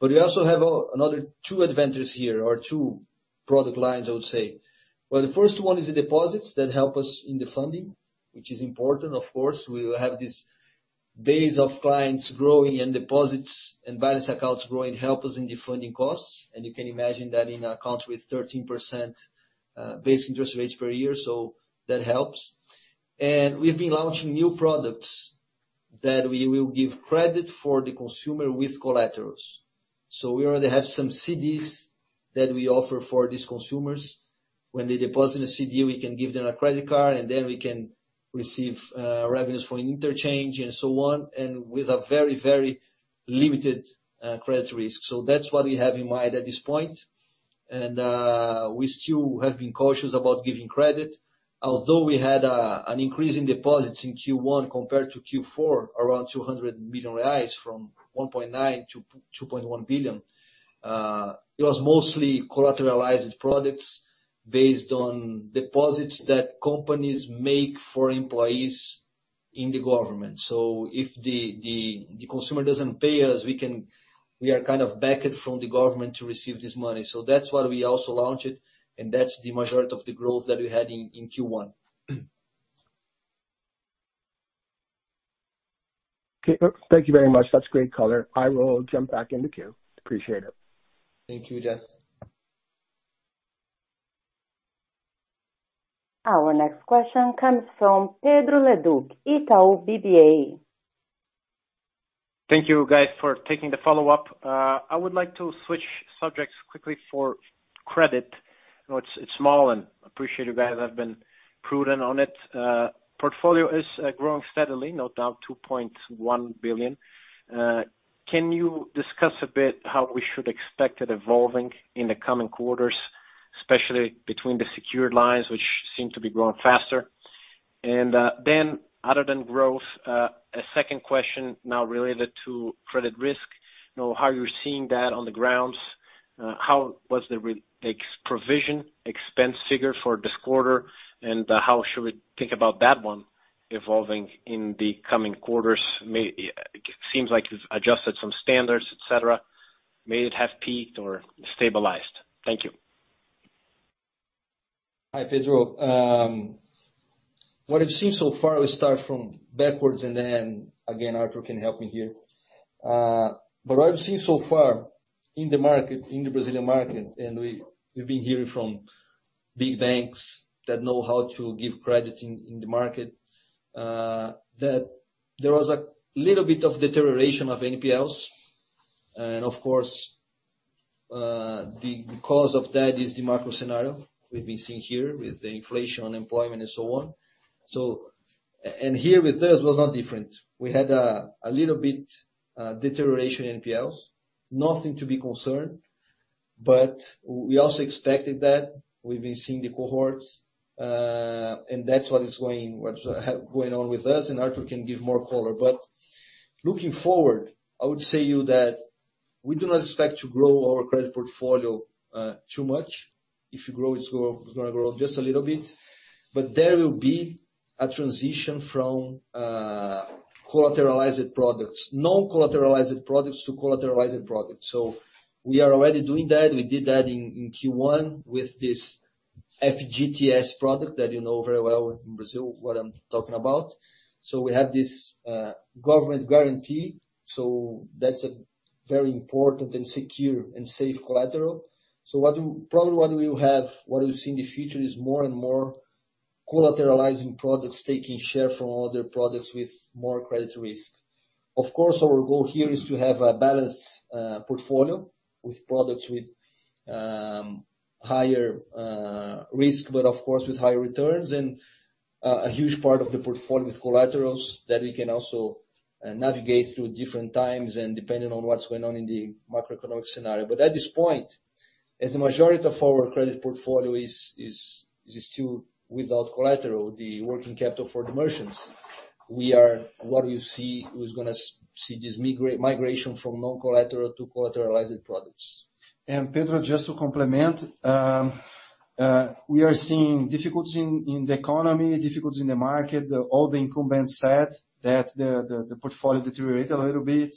S3: We also have another two advantages here or two product lines, I would say. Well, the first one is the deposits that help us in the funding, which is important, of course. We will have these base of clients growing and deposits and balance accounts growing help us in the funding costs. You can imagine that in a country with 13%, basic interest rates per year, so that helps. We've been launching new products that we will give credit for the consumer with collaterals. We already have some CDs that we offer for these consumers. When they deposit a CD, we can give them a credit card, and then we can receive revenues from an interchange and so on, and with a very, very limited credit risk. That's what we have in mind at this point. We still have been cautious about giving credit. Although we had an increase in deposits in Q1 compared to Q4, around 200 million reais from 1.9 billion to 2.1 billion, it was mostly collateralized products based on deposits that companies make for employees in the government. If the consumer doesn't pay us, we can, we are kind of backed by the government to receive this money. That's why we also launched it, and that's the majority of the growth that we had in Q1.
S9: Okay. Thank you very much. That's great color. I will jump back in the queue. Appreciate it.
S3: Thank you, Jeff.
S1: Our next question comes from Pedro Leduc, Itaú BBA.
S8: Thank you guys for taking the follow-up. I would like to switch subjects quickly for credit. I know it's small and appreciate you guys have been prudent on it. Portfolio is growing steadily, no doubt, 2.1 billion. Can you discuss a bit how we should expect it evolving in the coming quarters, especially between the secured lines, which seem to be growing faster? Then other than growth, a second question now related to credit risk. You know, how you're seeing that on the ground, how was the expected provision expense figure for this quarter, and how should we think about that one evolving in the coming quarters? It seems like you've adjusted some standards, et cetera. May it have peaked or stabilized? Thank you.
S3: Hi, Pedro Leduc. What I've seen so far, Artur Schunck can help me here. But what I've seen so far in the market, in the Brazilian market, and we've been hearing from big banks that know how to give credit in the market, that there was a little bit of deterioration of NPLs. Of course, the cause of that is the macro scenario we've been seeing here with the inflation, unemployment and so on. Here with us was not different. We had a little bit deterioration in NPLs. Nothing to be concerned, but we also expected that. We've been seeing the cohorts, and that's what is going on with us, and Artur Schunck can give more color. Looking forward, I would say to you that we do not expect to grow our credit portfolio too much. If it grows, it's gonna grow just a little bit. There will be a transition from non-collateralized products to collateralized products. We are already doing that. We did that in Q1 with this FGTS product that you know very well in Brazil, what I'm talking about. We have this government guarantee. That's a very important and secure and safe collateral. What we will see in the future is more and more collateralized products taking share from other products with more credit risk. Of course, our goal here is to have a balanced portfolio with products with higher risk, but of course, with higher returns and a huge part of the portfolio with collaterals that we can also navigate through different times and depending on what's going on in the macroeconomic scenario. At this point, as the majority of our credit portfolio is still without collateral, the working capital for the merchants, what you see is gonna see this migration from non-collateral to collateralized products.
S5: Pedro, just to complement. We are seeing difficulties in the economy, difficulties in the market. All the incumbents said that the portfolio deteriorated a little bit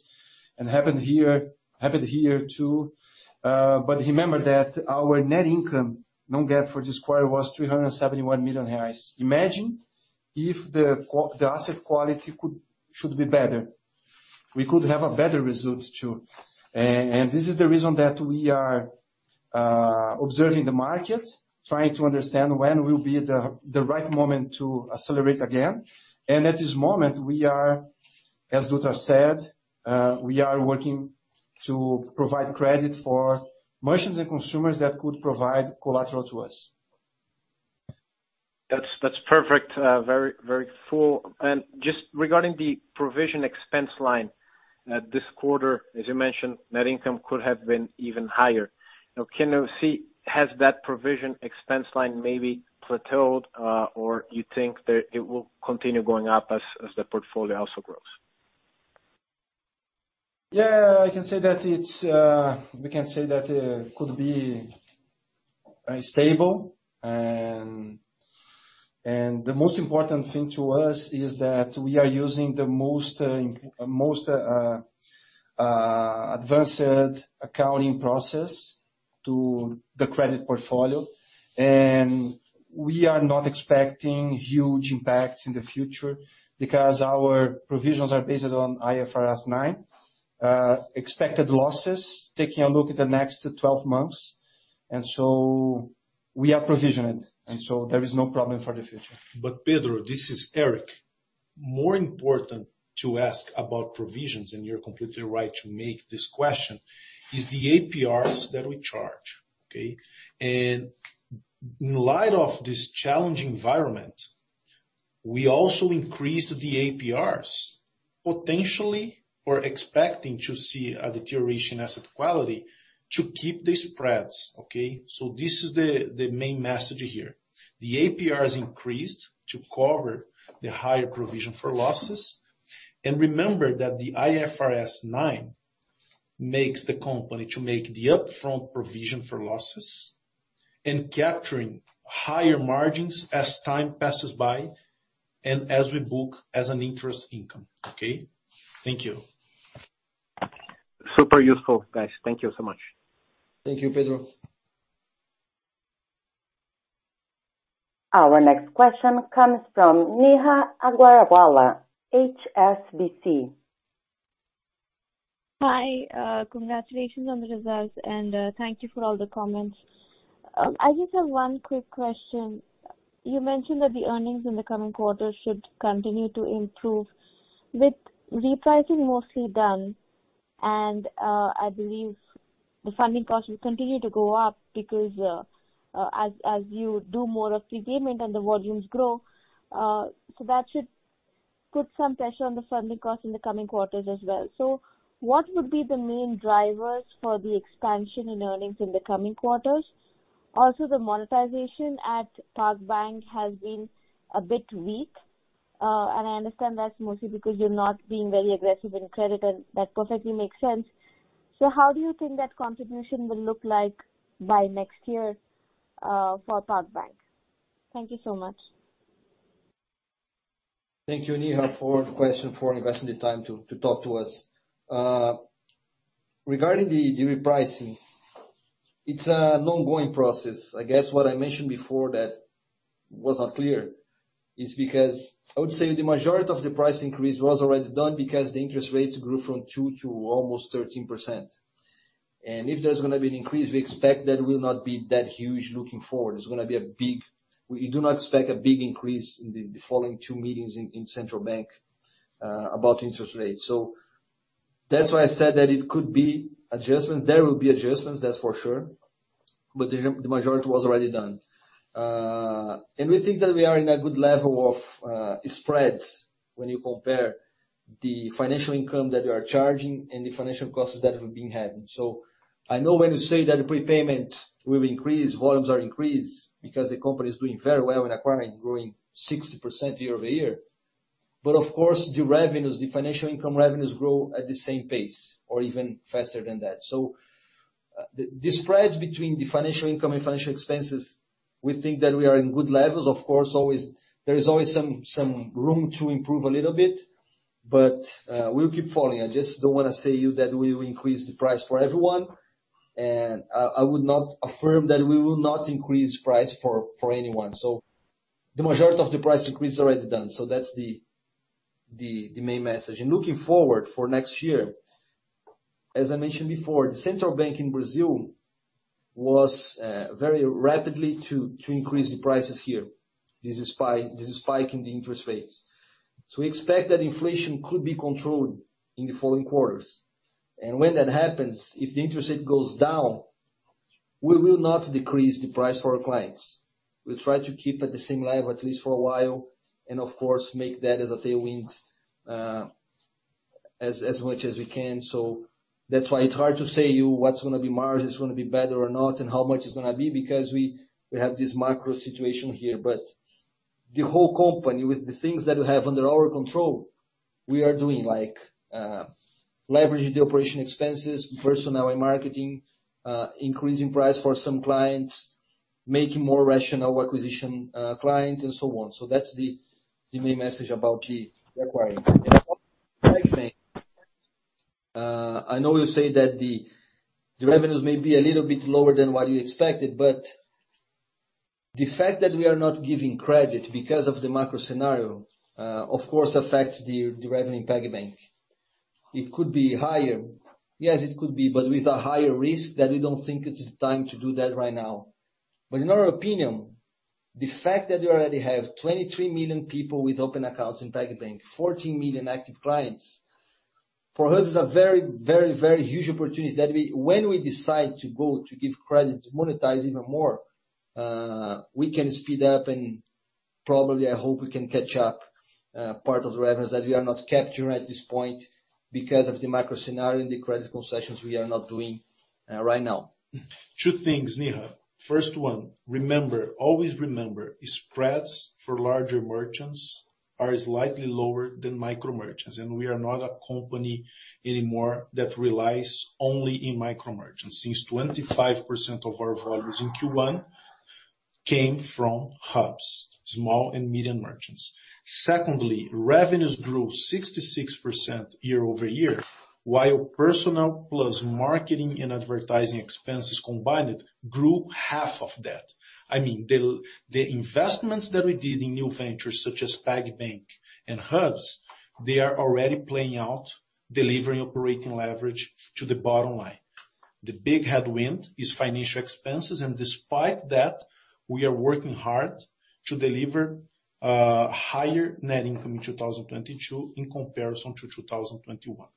S5: and happened here too. But remember that our net income, non-GAAP for this quarter was 371 million reais. Imagine if the asset quality should be better. We could have a better result too. This is the reason that we are observing the market, trying to understand when will be the right moment to accelerate again. At this moment, as Dutra said, we are working to provide credit for merchants and consumers that could provide collateral to us.
S8: That's perfect. Very, very cool. Just regarding the provision expense line, this quarter, as you mentioned, net income could have been even higher. Now, can you say has that provision expense line maybe plateaued, or you think that it will continue going up as the portfolio also grows?
S3: We can say that it could be stable. The most important thing to us is that we are using the most advanced accounting process to the credit portfolio. We are not expecting huge impacts in the future because our provisions are based on IFRS 9 expected losses, taking a look at the next 12 months. We are provisioned, so there is no problem for the future.
S2: Pedro Leduc, this is Éric Oliveira. More important to ask about provisions, and you're completely right to make this question, is the APRs that we charge. Okay? In light of this challenging environment, we also increased the APRs, potentially we're expecting to see a deterioration in asset quality to keep the spreads. Okay? This is the main message here. The APR has increased to cover the higher provision for losses. Remember that the IFRS 9 makes the company to make the upfront provision for losses and capturing higher margins as time passes by and as we book it as an interest income. Okay? Thank you.
S8: Super useful, guys. Thank you so much.
S3: Thank you, Pedro.
S1: Our next question comes from Neha Agarwala, HSBC.
S10: Hi, congratulations on the results and, thank you for all the comments. I just have one quick question. You mentioned that the earnings in the coming quarter should continue to improve. With repricing mostly done and, I believe the funding cost will continue to go up because, as you do more of prepayment and the volumes grow, so that should put some pressure on the funding cost in the coming quarters as well. What would be the main drivers for the expansion in earnings in the coming quarters? Also, the monetization at PagBank has been a bit weak, and I understand that's mostly because you're not being very aggressive in credit, and that perfectly makes sense. How do you think that contribution will look like by next year, for PagBank? Thank you so much.
S3: Thank you, Neha, for the question, for investing the time to talk to us. Regarding the repricing, it's an ongoing process. I guess what I mentioned before that was not clear is because I would say the majority of the price increase was already done because the interest rates grew from 2 to almost 13%. If there's gonna be an increase, we expect that it will not be that huge looking forward. We do not expect a big increase in the following 2 meetings in Central Bank of Brazil about interest rates. That's why I said that it could be adjustments. There will be adjustments, that's for sure, but the majority was already done. We think that we are in a good level of spreads when you compare the financial income that we are charging and the financial costs that we've been having. I know when you say that the prepayment will increase, volumes are increased because the company is doing very well in acquiring, growing 60% year-over-year. Of course, the revenues, the financial income revenues grow at the same pace or even faster than that. The spreads between the financial income and financial expenses, we think that we are in good levels. Of course, there is always some room to improve a little bit, but we'll keep following. I just don't wanna say you that we will increase the price for everyone. I would not affirm that we will not increase price for anyone. The majority of the price increase is already done. That's the main message. Looking forward for next year, as I mentioned before, the Central Bank of Brazil was very rapidly to increase the rates here. This is a spike in the interest rates. We expect that inflation could be controlled in the following quarters. When that happens, if the interest rate goes down, we will not decrease the price for our clients. We'll try to keep at the same level at least for a while and of course make that as a tailwind as much as we can. That's why it's hard to say what's gonna be margins, it's gonna be better or not, and how much it's gonna be because we have this macro situation here. The whole company, with the things that we have under our control, we are doing like, leveraging the operating expenses, personnel and marketing, increasing price for some clients, making more rational acquisition, clients and so on. That's the main message about the acquiring. Second thing, I know you say that the revenues may be a little bit lower than what you expected, but. The fact that we are not giving credit because of the macro scenario, of course affects the revenue in PagBank. It could be higher. Yes, it could be, but with a higher risk that we don't think it is time to do that right now. In our opinion, the fact that you already have 23 million people with open accounts in PagBank, 14 million active clients, for us is a very huge opportunity that when we decide to go to give credit, monetize even more, we can speed up and probably, I hope, we can catch up part of the revenues that we are not capturing at this point because of the macro scenario and the credit concessions we are not doing right now.
S4: Two things, Neha. First one, remember, always remember, spreads for larger merchants are slightly lower than micro-merchants, and we are not a company anymore that relies only in micro-merchants. Since 25% of our volumes in Q1 came from Hubs, small and medium merchants. Secondly, revenues grew 66% year-over-year, while personnel plus marketing and advertising expenses combined grew half of that. I mean, the investments that we did in new ventures such as PagBank and Hubs, they are already playing out, delivering operating leverage to the bottom line. The big headwind is financial expenses, and despite that, we are working hard to deliver higher net income in 2022 in comparison to 2021.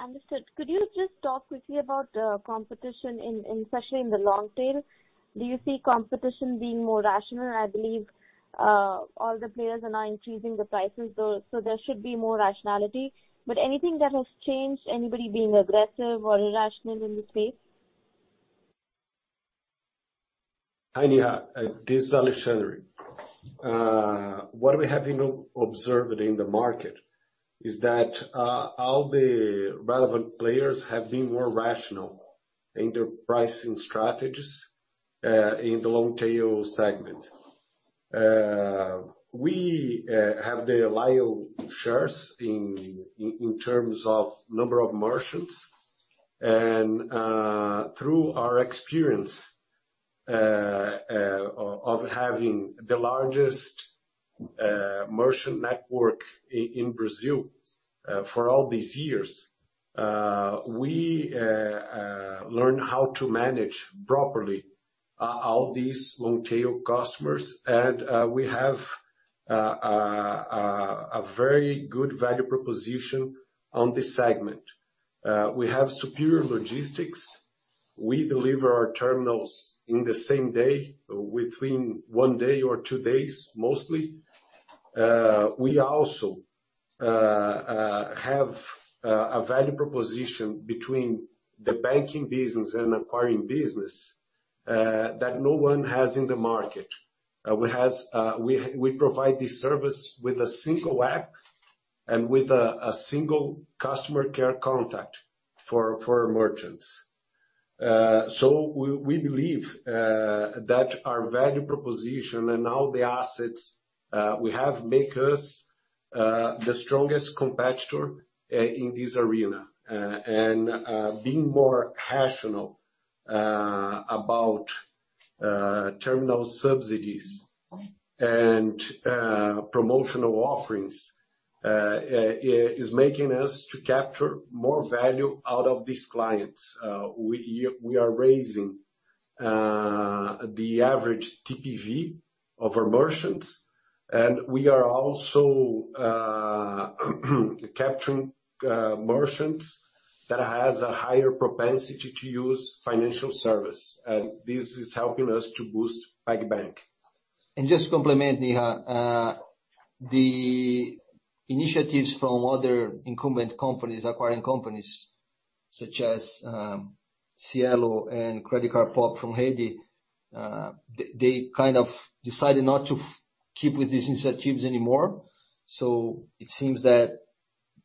S10: Understood. Could you just talk quickly about competition, especially in the long tail? Do you see competition being more rational? I believe all the players are now increasing the prices, so there should be more rationality. Anything that has changed, anybody being aggressive or irrational in this space?
S4: Hi Neha, this is Alexandre. What we have, you know, observed in the market is that, all the relevant players have been more rational in their pricing strategies, in the long tail segment. We have the lion's share in terms of number of merchants and, through our experience, of having the largest merchant network in Brazil, for all these years, we learn how to manage properly all these long tail customers and, we have a very good value proposition on this segment. We have superior logistics. We deliver our terminals in the same day, between one day or two days, mostly. We also have a value proposition between the banking business and acquiring business, that no one has in the market. We provide this service with a single app and with a single customer care contact for merchants. We believe that our value proposition and all the assets we have make us the strongest competitor in this arena. Being more rational about terminal subsidies and promotional offerings is making us to capture more value out of these clients. We are raising the average TPV of our merchants, and we are also capturing merchants that has a higher propensity to use financial service. This is helping us to boost PagBank.
S3: Just to complement, Neha, the initiatives from other incumbent companies, acquiring companies such as Cielo and Credicard Pop from Itaú, they kind of decided not to keep with these initiatives anymore. It seems that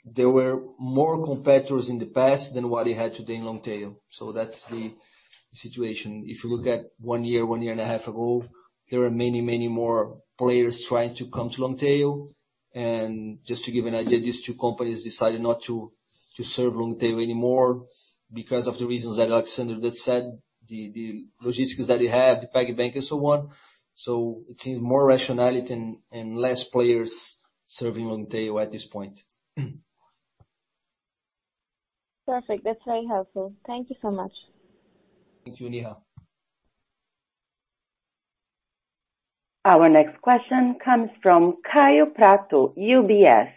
S3: there were more competitors in the past than what they had today in Long Tail. That's the situation. If you look at 1 year, 1 year and a half ago, there are many more players trying to come to Long Tail. Just to give an idea, these two companies decided not to serve Long Tail anymore because of the reasons that Alexandre just said, the logistics that they have, the PagBank and so on. It seems more rationality and less players serving Long Tail at this point.
S10: Perfect. That's very helpful. Thank you so much.
S3: Thank you, Neha.
S1: Our next question comes from Kaio Prato, UBS.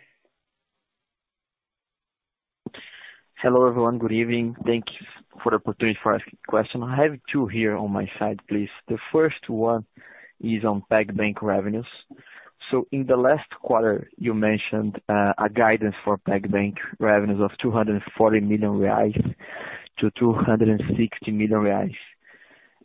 S11: Hello, everyone. Good evening. Thank you for the opportunity for asking the question. I have two here on my side, please. The first one is on PagBank revenues. In the last quarter, you mentioned a guidance for PagBank revenues of 240 million-260 million reais.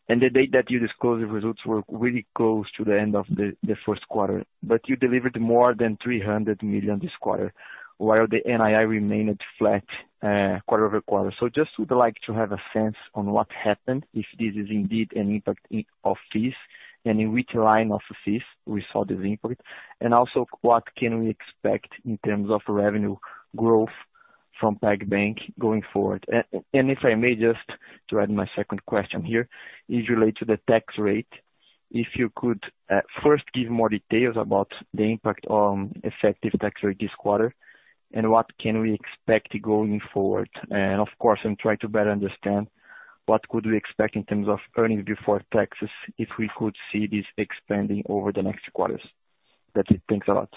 S11: The date that you disclosed the results were really close to the end of the first quarter. You delivered more than 300 million this quarter, while the NII remained flat quarter-over-quarter. Just would like to have a sense on what happened, if this is indeed an impact of fees, and in which line of fees we saw this impact. Also, what can we expect in terms of revenue growth from PagBank going forward. If I may just thread my second question here is related to the tax rate. If you could, first give more details about the impact on effective tax rate this quarter and what can we expect going forward? Of course, I'm trying to better understand what could we expect in terms of earnings before taxes if we could see this expanding over the next quarters. That's it. Thanks a lot.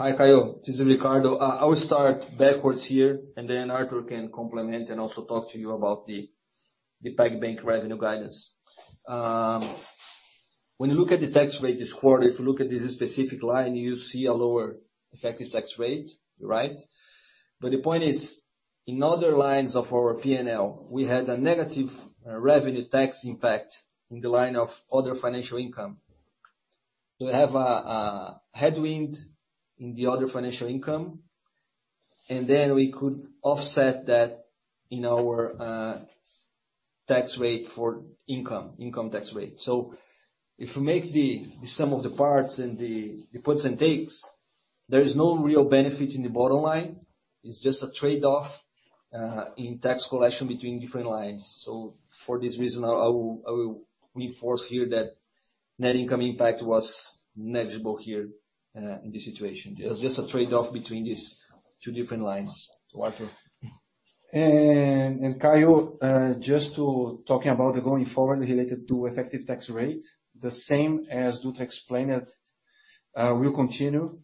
S3: Hi, Kaio. This is Ricardo. I will start backwards here, and then Artur can complement and also talk to you about the PagBank revenue guidance. When you look at the tax rate this quarter, if you look at this specific line, you see a lower effective tax rate, right? The point is, in other lines of our P&L, we had a negative revenue tax impact in the line of other financial income. We have a headwind in the other financial income, and then we could offset that in our tax rate for income tax rate. If you make the sum of the parts and the puts and takes, there is no real benefit in the bottom line. It's just a trade-off in tax collection between different lines. For this reason, I will reinforce here that net income impact was negligible here, in this situation. It was just a trade-off between these two different lines. Artur.
S5: Kaio, just to talking about going forward related to effective tax rate, the same as Dutra explained, will continue.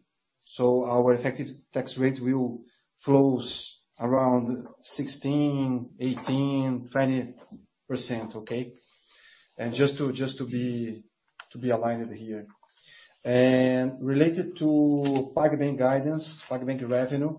S5: Our effective tax rate will flows around 16%, 18%, 20%, okay? Just to be aligned here. Related to PagBank guidance, PagBank revenue,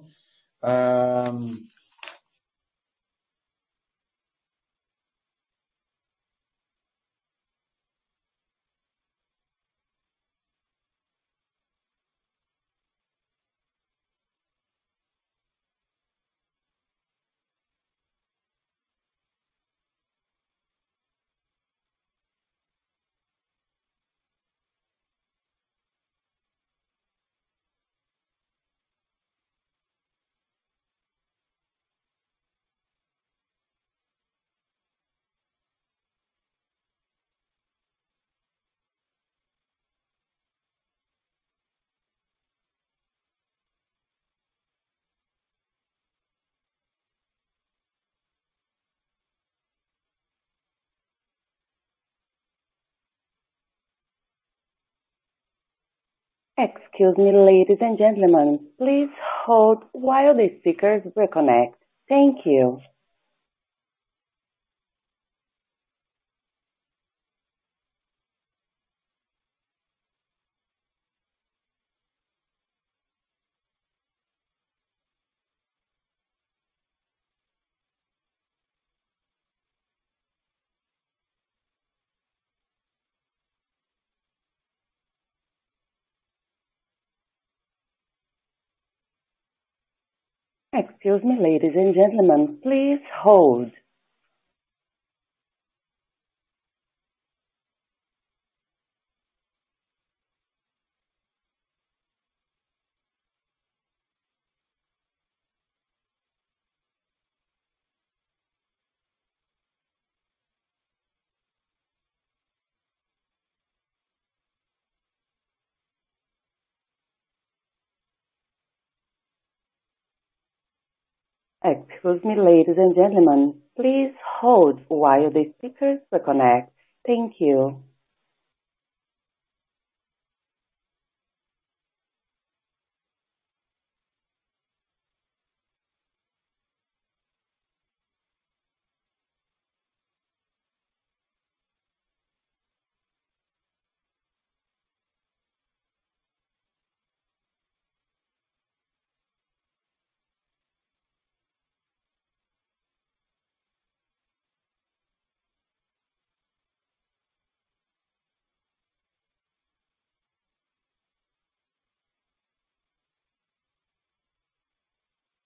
S1: Excuse me, ladies and gentlemen. Please hold while the speakers reconnect. Thank you. Excuse me, ladies and gentlemen. Please hold. Excuse me, ladies and gentlemen. Please hold while the speakers reconnect. Thank you.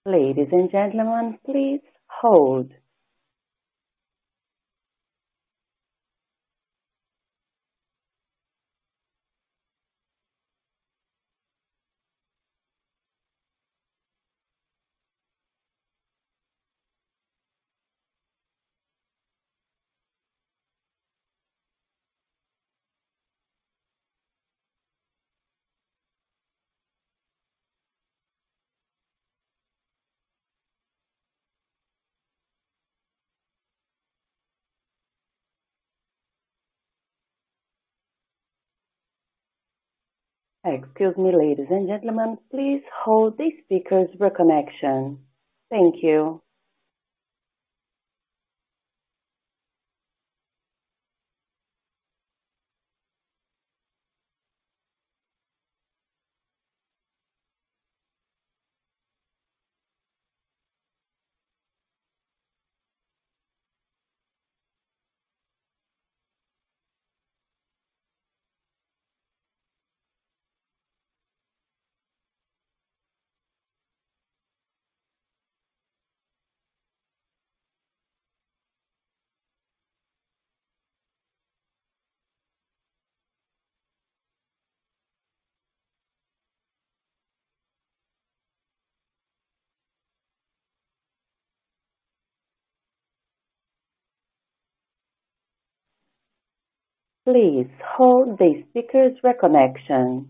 S1: Ladies and gentlemen, please hold. Excuse me, ladies and gentlemen. Please hold the speakers reconnection. Thank you. Please hold the speaker's reconnection.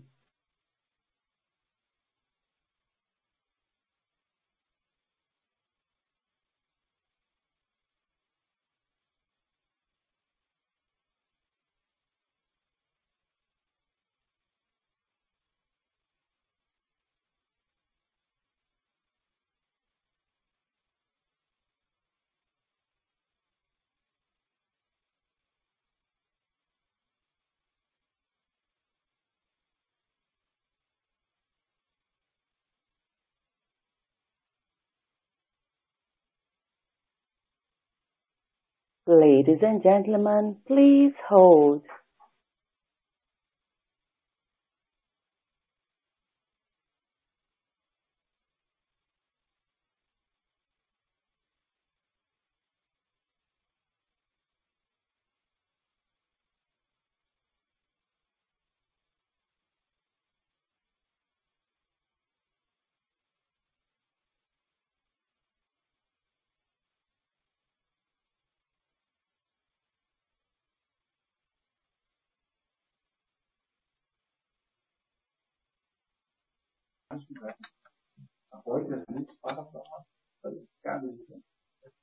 S1: Ladies and gentlemen, please hold.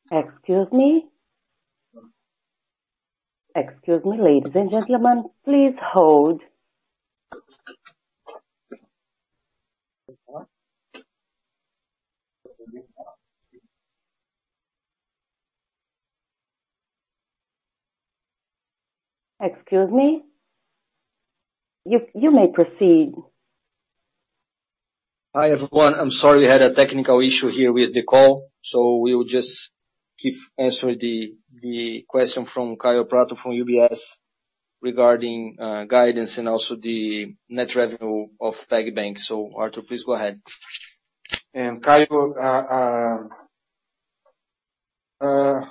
S1: Excuse me. Excuse me, ladies and gentlemen, please hold. Excuse me. You may proceed.
S3: Hi, everyone. I'm sorry we had a technical issue here with the call, so we will just keep answering the question from Kaio Prato from UBS regarding guidance and also the net revenue of PagBank. Arthur, please go ahead.
S5: Kaio,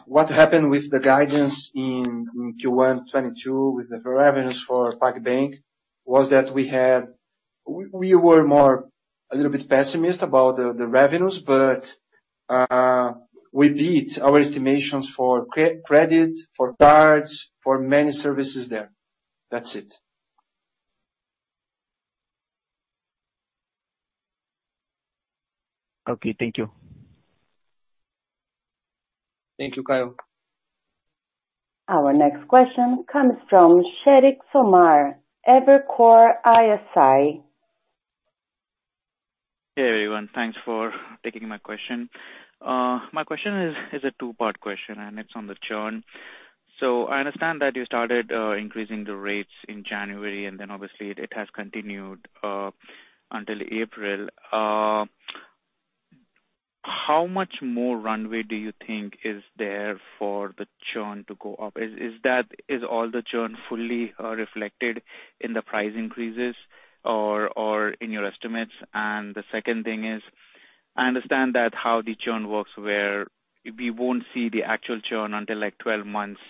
S5: what happened with the guidance in Q1 2022 with the revenues for PagBank was that we had. We were a little bit more pessimistic about the revenues, but we beat our estimates for credit, for cards, for many services there. That's it.
S11: Okay. Thank you.
S3: Thank you, Kaio.
S1: Our next question comes from Sheriq Sumar, Evercore ISI.
S12: Hey, everyone. Thanks for taking my question. My question is a two-part question, and it's on the churn. I understand that you started increasing the rates in January, and then obviously it has continued until April. How much more runway do you think is there for the churn to go up? Is all the churn fully reflected in the price increases or in your estimates? The second thing is, I understand how the churn works, where we won't see the actual churn until like 12 months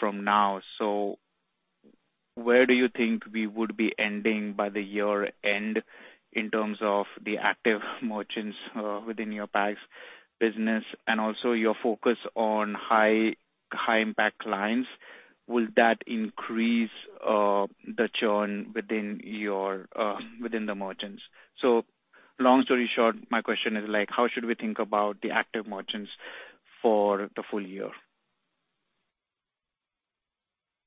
S12: from now. Where do you think we would be ending by the year end in terms of the active merchants within your Pag's business and also your focus on high impact clients? Will that increase the churn within the merchants? Long story short, my question is like, how should we think about the active merchants for the full year?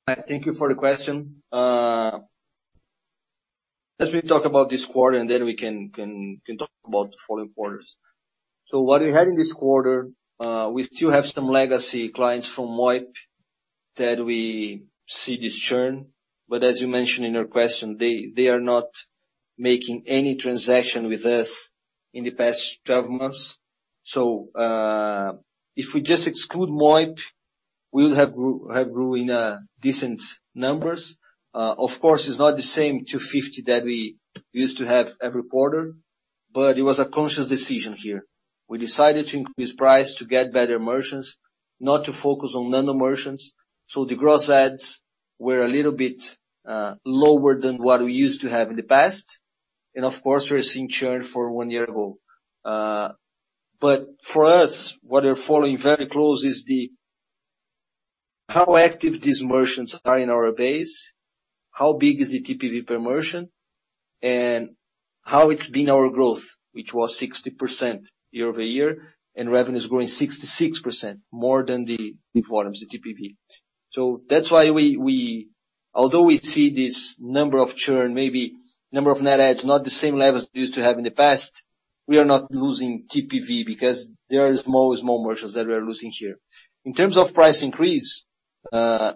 S3: I thank you for the question. As we talk about this quarter, and then we can talk about the following quarters. What we had in this quarter, we still have some legacy clients from MOIP that we see this churn, but as you mentioned in your question, they are not making any transaction with us in the past twelve months. If we just exclude MOIP, we'll have growing, decent numbers. Of course, it's not the same 250 that we used to have every quarter, but it was a conscious decision here. We decided to increase price to get better merchants, not to focus on non-merchants. The gross adds were a little bit lower than what we used to have in the past. Of course, we're seeing churn for one year ago. For us, what we're following very closely is how active these merchants are in our base, how big is the TPV per merchant, and how it's been our growth, which was 60% year-over-year, and revenue is growing 66% more than the volumes, the TPV. That's why although we see this number of churn, maybe number of net adds not the same level as we used to have in the past, we are not losing TPV because there are small merchants that we are losing here. In terms of price increase,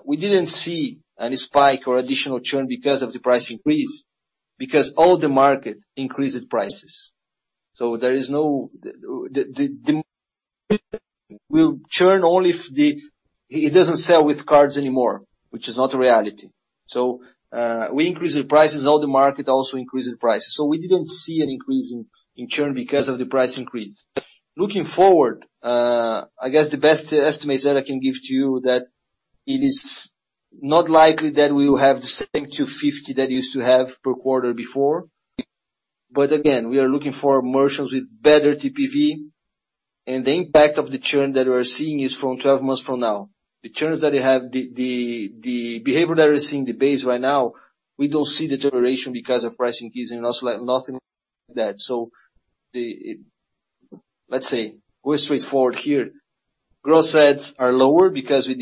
S3: we didn't see any spike or additional churn because of the price increase, because all the market increased prices. There is no. We'll churn only if it doesn't sell with cards anymore, which is not a reality. We increase the prices, all the market also increases prices. We didn't see an increase in churn because of the price increase. Looking forward, I guess the best estimates that I can give to you that it is not likely that we will have the same 250 that you used to have per quarter before. Again, we are looking for merchants with better TPV. The impact of the churn that we're seeing is from 12 months from now. The behavior that we're seeing in the base right now, we don't see deterioration because of pricing or anything like that. Let's say we're straightforward here. Growth rates are lower because we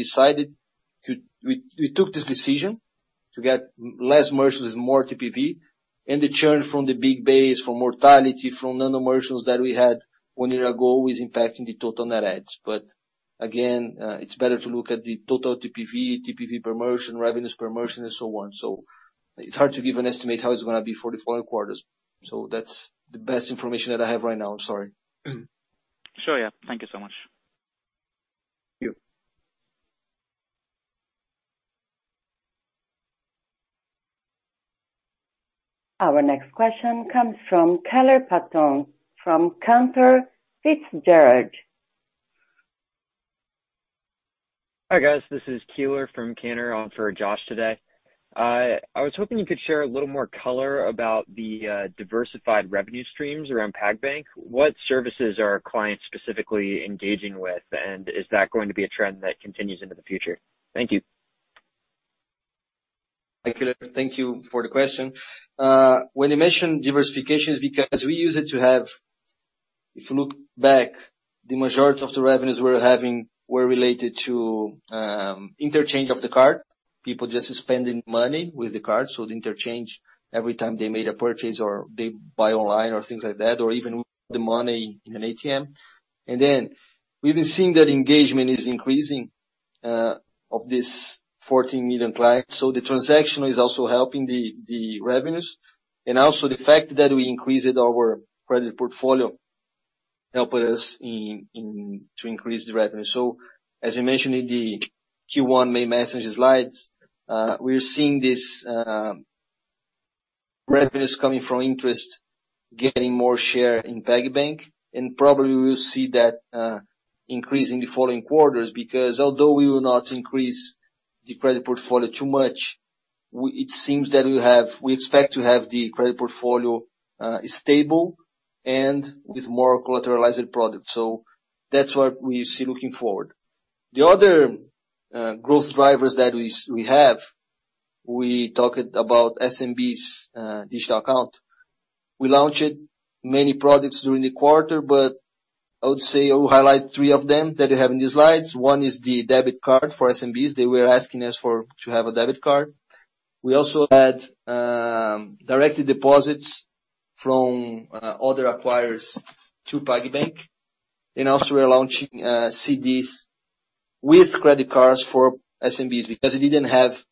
S3: took this decision to get less merchants with more TPV. The churn from the big base, from mortality, from non-merchants that we had one year ago is impacting the total net adds. Again, it's better to look at the total TPV per merchant, revenues per merchant and so on. It's hard to give an estimate how it's gonna be for the following quarters. That's the best information that I have right now. I'm sorry.
S12: Sure, yeah. Thank you so much.
S3: Thank you.
S1: Our next question comes from Keellen Douglas Patton from Cantor Fitzgerald.
S13: Hi, guys. This is Keeler from Cantor, on for Josh today. I was hoping you could share a little more color about the diversified revenue streams around PagBank. What services are clients specifically engaging with? Is that going to be a trend that continues into the future? Thank you.
S3: Thank you. Thank you for the question. When you mention diversification, if you look back, the majority of the revenues we're having were related to interchange of the card. People just spending money with the card, so the interchange every time they made a purchase or they buy online or things like that, or even the money in an ATM. We've been seeing that engagement is increasing of these 14 million clients. The transaction is also helping the revenues. The fact that we increased our credit portfolio helped us to increase the revenue. As you mentioned in the Q1 main message slides, we're seeing these revenues coming from interest getting more share in PagBank, and probably we will see that increase in the following quarters. Because although we will not increase the credit portfolio too much, it seems that we expect to have the credit portfolio stable and with more collateralized products. That's what we see looking forward. The other growth drivers that we have, we talked about SMBs, digital account. We launched many products during the quarter, but I would say I will highlight three of them that you have in the slides. One is the debit card for SMBs. They were asking us to have a debit card. We also had directed deposits from other acquirers to PagBank. Also, we're launching CDs with credit cards for SMBs because it didn't have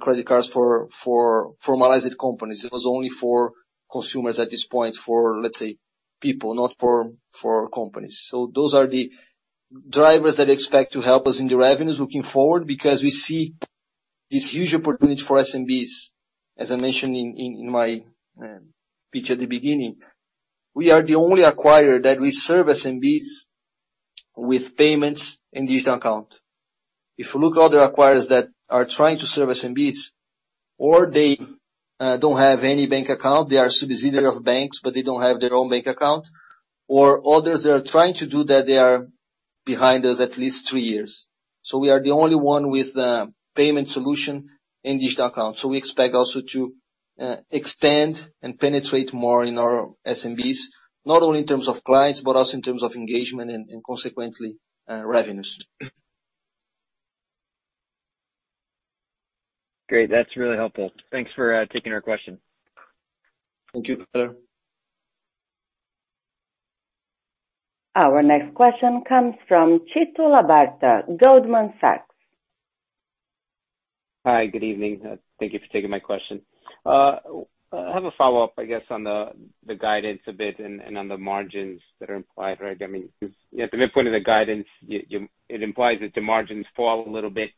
S3: credit cards for formalized companies. It was only for consumers at this point, for, let's say, people, not for companies. Those are the drivers that expect to help us in the revenues looking forward, because we see this huge opportunity for SMBs, as I mentioned in my pitch at the beginning. We are the only acquirer that we serve SMBs with payments in digital account. If you look other acquirers that are trying to serve SMBs or they don't have any bank account, they are subsidiary of banks, but they don't have their own bank account. Or others that are trying to do that, they are behind us at least three years. We are the only one with the payment solution in digital account. We expect also to expand and penetrate more in our SMBs, not only in terms of clients, but also in terms of engagement and consequently revenues.
S13: Great. That's really helpful. Thanks for taking our question.
S3: Thank you, Keellen.
S1: Our next question comes from Tito Labarta, Goldman Sachs.
S14: Hi, good evening. Thank you for taking my question. I have a follow-up, I guess, on the guidance a bit and on the margins that are implied, right? I mean, because at the midpoint of the guidance, it implies that the margins fall a little bit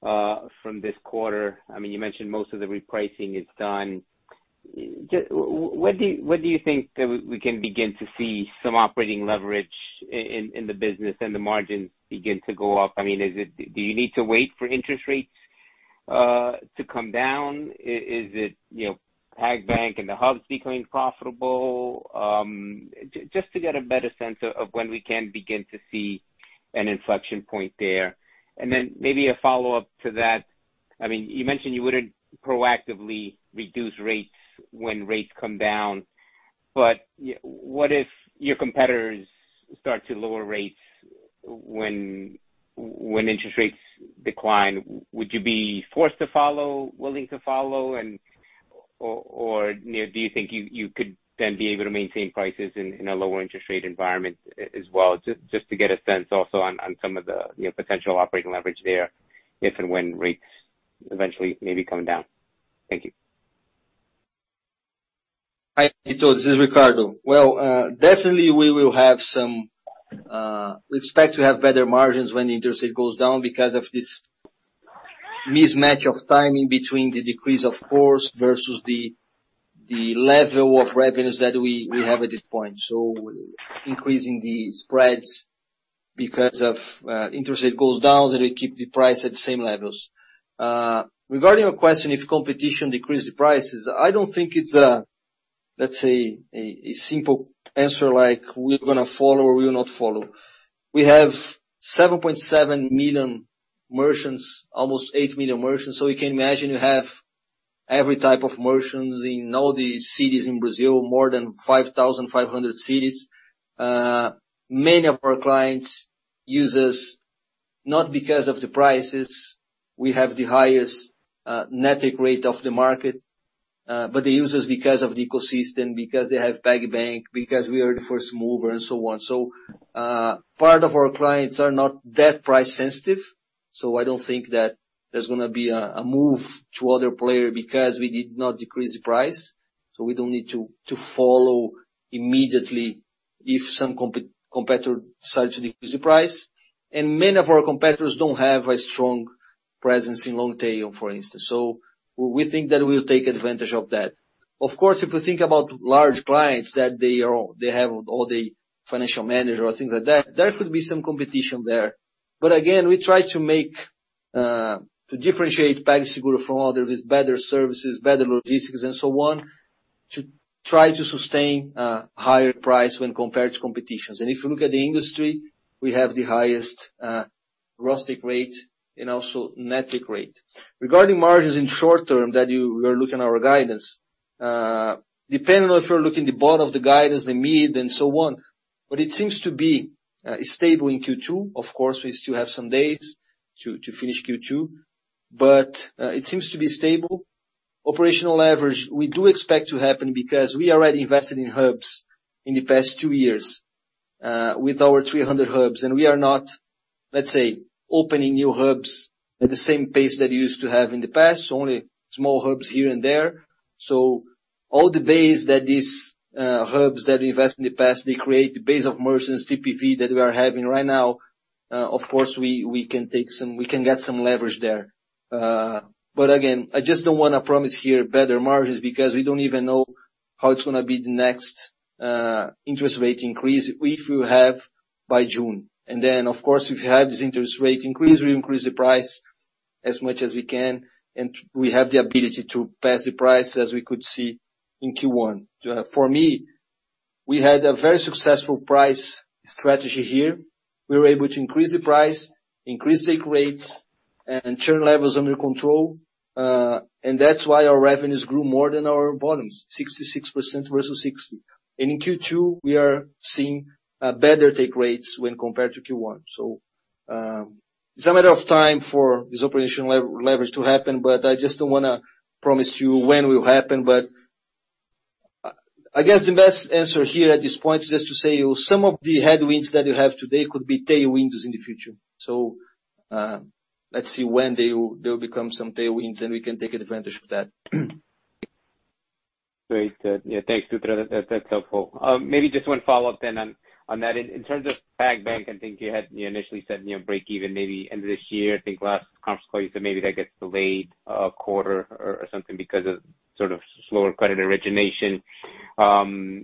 S14: from this quarter. I mean, you mentioned most of the repricing is done. Just when do you think that we can begin to see some operating leverage in the business and the margins begin to go up? I mean, do you need to wait for interest rates to come down? Is it, you know, PagBank and the Hubs becoming profitable? Just to get a better sense of when we can begin to see an inflection point there. Then maybe a follow-up to that. I mean, you mentioned you wouldn't proactively reduce rates when rates come down. What if your competitors start to lower rates when interest rates decline? Would you be forced to follow, willing to follow? You know, do you think you could then be able to maintain prices in a lower interest rate environment as well? Just to get a sense also on some of the you know, potential operating leverage there if and when rates eventually maybe come down. Thank you.
S3: Hi, Tito, this is Ricardo. Well, definitely we will have some, we expect to have better margins when the interest rate goes down because of this mismatch of timing between the decrease, of course, versus the level of revenues that we have at this point. Increasing the spreads because of interest rate goes down, so we keep the price at the same levels. Regarding your question, if competition decreases prices, I don't think it's a, let's say, a simple answer like, we're gonna follow or we will not follow. We have 7.7 million merchants, almost 8 million merchants, so you can imagine you have every type of merchants in all the cities in Brazil, more than 5,500 cities. Many of our clients use us not because of the prices. We have the highest net take rate of the market, but they use us because of the ecosystem, because they have PagBank, because we are the first mover and so on. Part of our clients are not that price sensitive, so I don't think that there's gonna be a move to other player because we did not decrease the price. We don't need to follow immediately if some competitor starts to decrease the price. Many of our competitors don't have a strong presence in long tail, for instance. We think that we'll take advantage of that. Of course, if we think about large clients, that they are all they have all the financial manager or things like that, there could be some competition there. Again, we try to make to differentiate PagSeguro from others with better services, better logistics and so on, to try to sustain higher price when compared to competitors. If you look at the industry, we have the highest gross take rate and also net take rate. Regarding margins in short term that you were looking our guidance, depending on if you're looking the bottom of the guidance, the mid and so on. It seems to be stable in Q2. Of course, we still have some days to finish Q2. It seems to be stable. Operational leverage, we do expect to happen because we already invested in Hubs in the past two years with our 300 Hubs. We are not, let's say, opening new hubs at the same pace that we used to have in the past, only small hubs here and there. All the base that these hubs that we invest in the past, they create the base of merchants TPV that we are having right now, of course we can get some leverage there. Again, I just don't wanna promise here better margins because we don't even know how it's gonna be the next interest rate increase, if we have by June. Of course, if we have this interest rate increase, we increase the price as much as we can, and we have the ability to pass the price as we could see in Q1. For me, we had a very successful price strategy here. We were able to increase the price, increase take rates and churn levels under control. That's why our revenues grew more than our volumes, 66% versus 60. In Q2, we are seeing better take rates when compared to Q1. It's a matter of time for this operational leverage to happen, but I just don't wanna promise you when will happen. I guess the best answer here at this point is just to say, some of the headwinds that you have today could be tailwinds in the future. Let's see when they will become some tailwinds and we can take advantage of that.
S14: Great. Yeah, thanks, Dutra. That's helpful. Maybe just one follow-up then on that. In terms of PagBank, I think you initially said, you know, break even maybe end of this year. I think last conference call you said maybe that gets delayed a quarter or something because of sort of slower credit origination.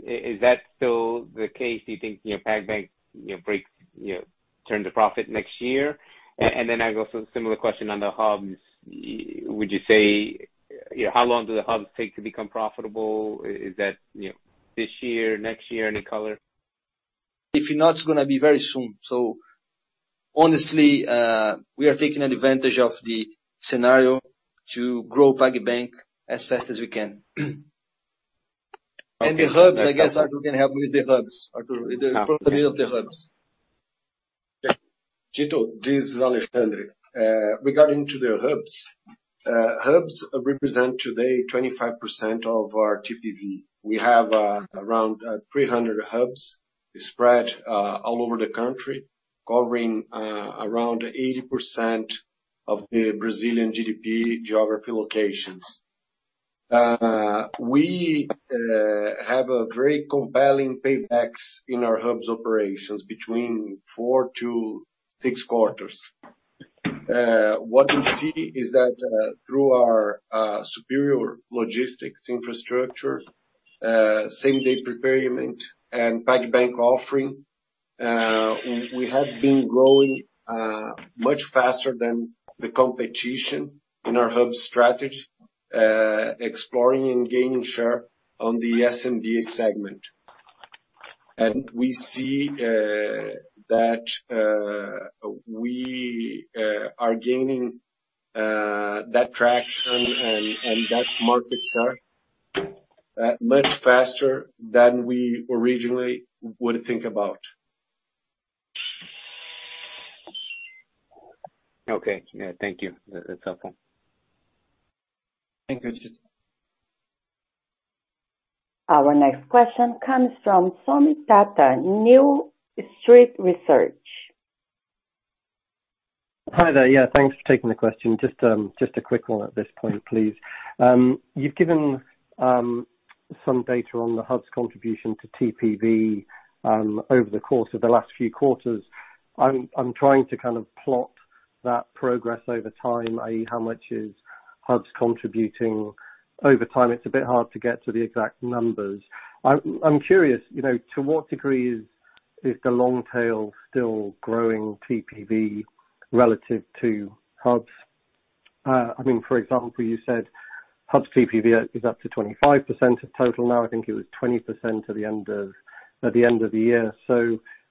S14: Is that still the case? Do you think, you know, PagBank, you know, break, you know, turn to profit next year? And then I've also similar question on the Hubs. Would you say you know, how long do the Hubs take to become profitable? Is that, you know, this year, next year? Any color?
S3: If not, it's gonna be very soon. Honestly, we are taking advantage of the scenario to grow PagBank as fast as we can. The Hubs, I guess Artur can help with the Hubs. Artur, with the profitability of the Hubs.
S4: Tito, this is Alexandre. Regarding the hubs. Hubs represent today 25% of our TPV. We have around 300 hubs spread all over the country, covering around 80% of the Brazilian GDP geography locations. We have a very compelling paybacks in our hubs operations between 4-6 quarters. What we see is that through our superior logistics infrastructure, same-day prepayment and PagBank offering, we have been growing much faster than the competition in our hubs strategy, exploring and gaining share on the SMB segment. We see that we are gaining that traction and that market share much faster than we originally would think about.
S14: Okay. Yeah, thank you. That's helpful.
S3: Thank you, Tito.
S1: Our next question comes from Soomit Datta, New Street Research.
S15: Hi there. Yeah, thanks for taking the question. Just a quick one at this point, please. You've given some data on the Hubs' contribution to TPV over the course of the last few quarters. I'm trying to kind of plot that progress over time, i.e., how much is Hubs contributing over time. It's a bit hard to get to the exact numbers. I'm curious, you know, to what degree is the long tail still growing TPV relative to Hubs? I mean, for example, you said Hubs' TPV is up to 25% of total now. I think it was 20% at the end of the year.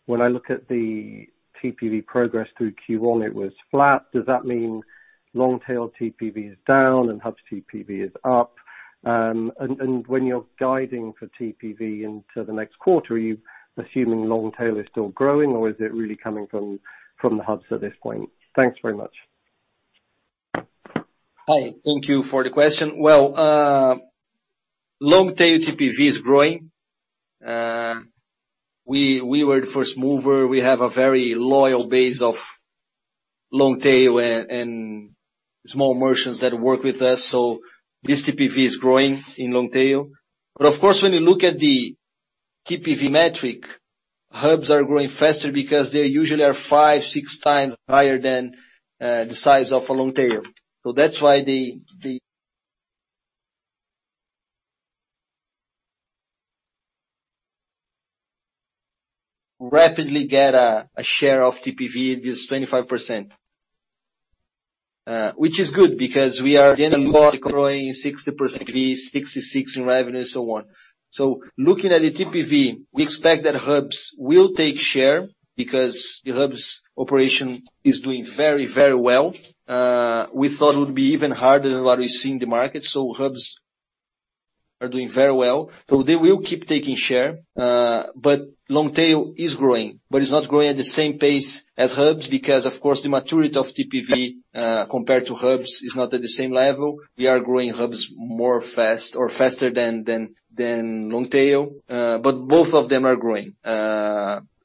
S15: When I look at the TPV progress through Q1, it was flat. Does that mean long tail TPV is down and Hubs' TPV is up? When you're guiding for TPV into the next quarter, are you assuming long tail is still growing or is it really coming from the Hubs at this point? Thanks very much.
S3: Hi, thank you for the question. Long tail TPV is growing. We were the first mover. We have a very loyal base of long tail and small merchants that work with us, so this TPV is growing in long tail. Of course, when you look at the TPV metric, Hubs are growing faster because they usually are 5, 6 times higher than the size of a long tail. That's why the Hubs' share of TPV is 25%. Which is good because we are getting 60% TPV, 66% in revenue and so on. Looking at the TPV, we expect that Hubs will take share because the Hubs' operation is doing very, very well. We thought it would be even harder than what we see in the market. Hubs are doing very well. They will keep taking share. But long tail is growing, but it's not growing at the same pace as Hubs because of course, the maturity of TPV compared to Hubs is not at the same level. We are growing Hubs more fast or faster than long tail. But both of them are growing.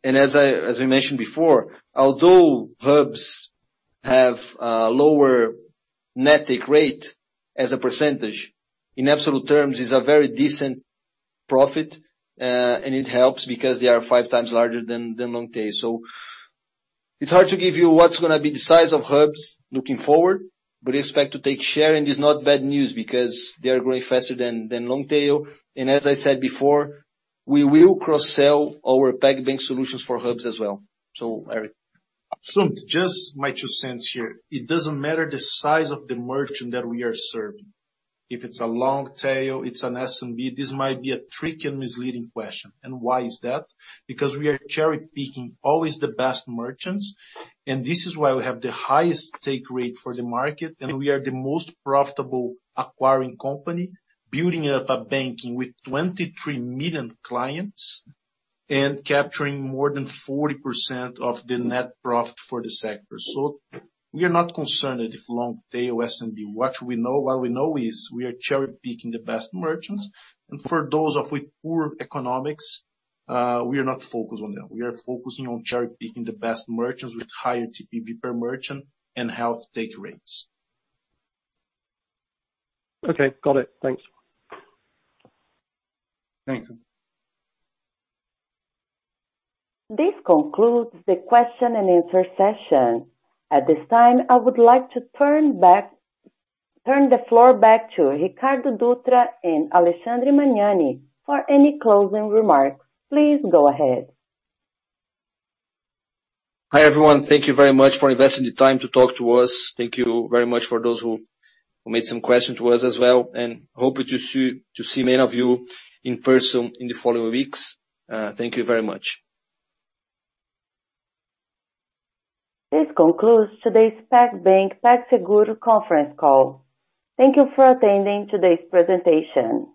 S3: As I mentioned before, although Hubs have lower net take rate as a percentage, in absolute terms, it's a very decent profit, and it helps because they are five times larger than long tail. It's hard to give you what's gonna be the size of Hubs looking forward, but we expect to take share, and it's not bad news because they are growing faster than long tail. As I said before, we will cross-sell our PagBank solutions for Hubs as well. Éric.
S2: Just my two cents here. It doesn't matter the size of the merchant that we are serving. If it's a long tail, it's an SMB, this might be a tricky and misleading question. Why is that? Because we are cherry-picking always the best merchants, and this is why we have the highest take rate for the market, and we are the most profitable acquiring company, building up a banking with 23 million clients and capturing more than 40% of the net profit for the sector. We are not concerned if long tail SMB. What we know is we are cherry-picking the best merchants, and for those with poor economics, we are not focused on them. We are focusing on cherry-picking the best merchants with higher TPV per merchant and healthy take rates.
S15: Okay. Got it. Thanks.
S3: Thanks.
S1: This concludes the question and answer session. At this time, I would like to turn the floor back to Ricardo Dutra and Alexandre Magnani for any closing remarks. Please go ahead.
S3: Hi, everyone. Thank you very much for investing the time to talk to us. Thank you very much for those who made some questions to us as well, and hoping to see many of you in person in the following weeks. Thank you very much.
S1: This concludes today's PagBank, PagSeguro conference call. Thank you for attending today's presentation.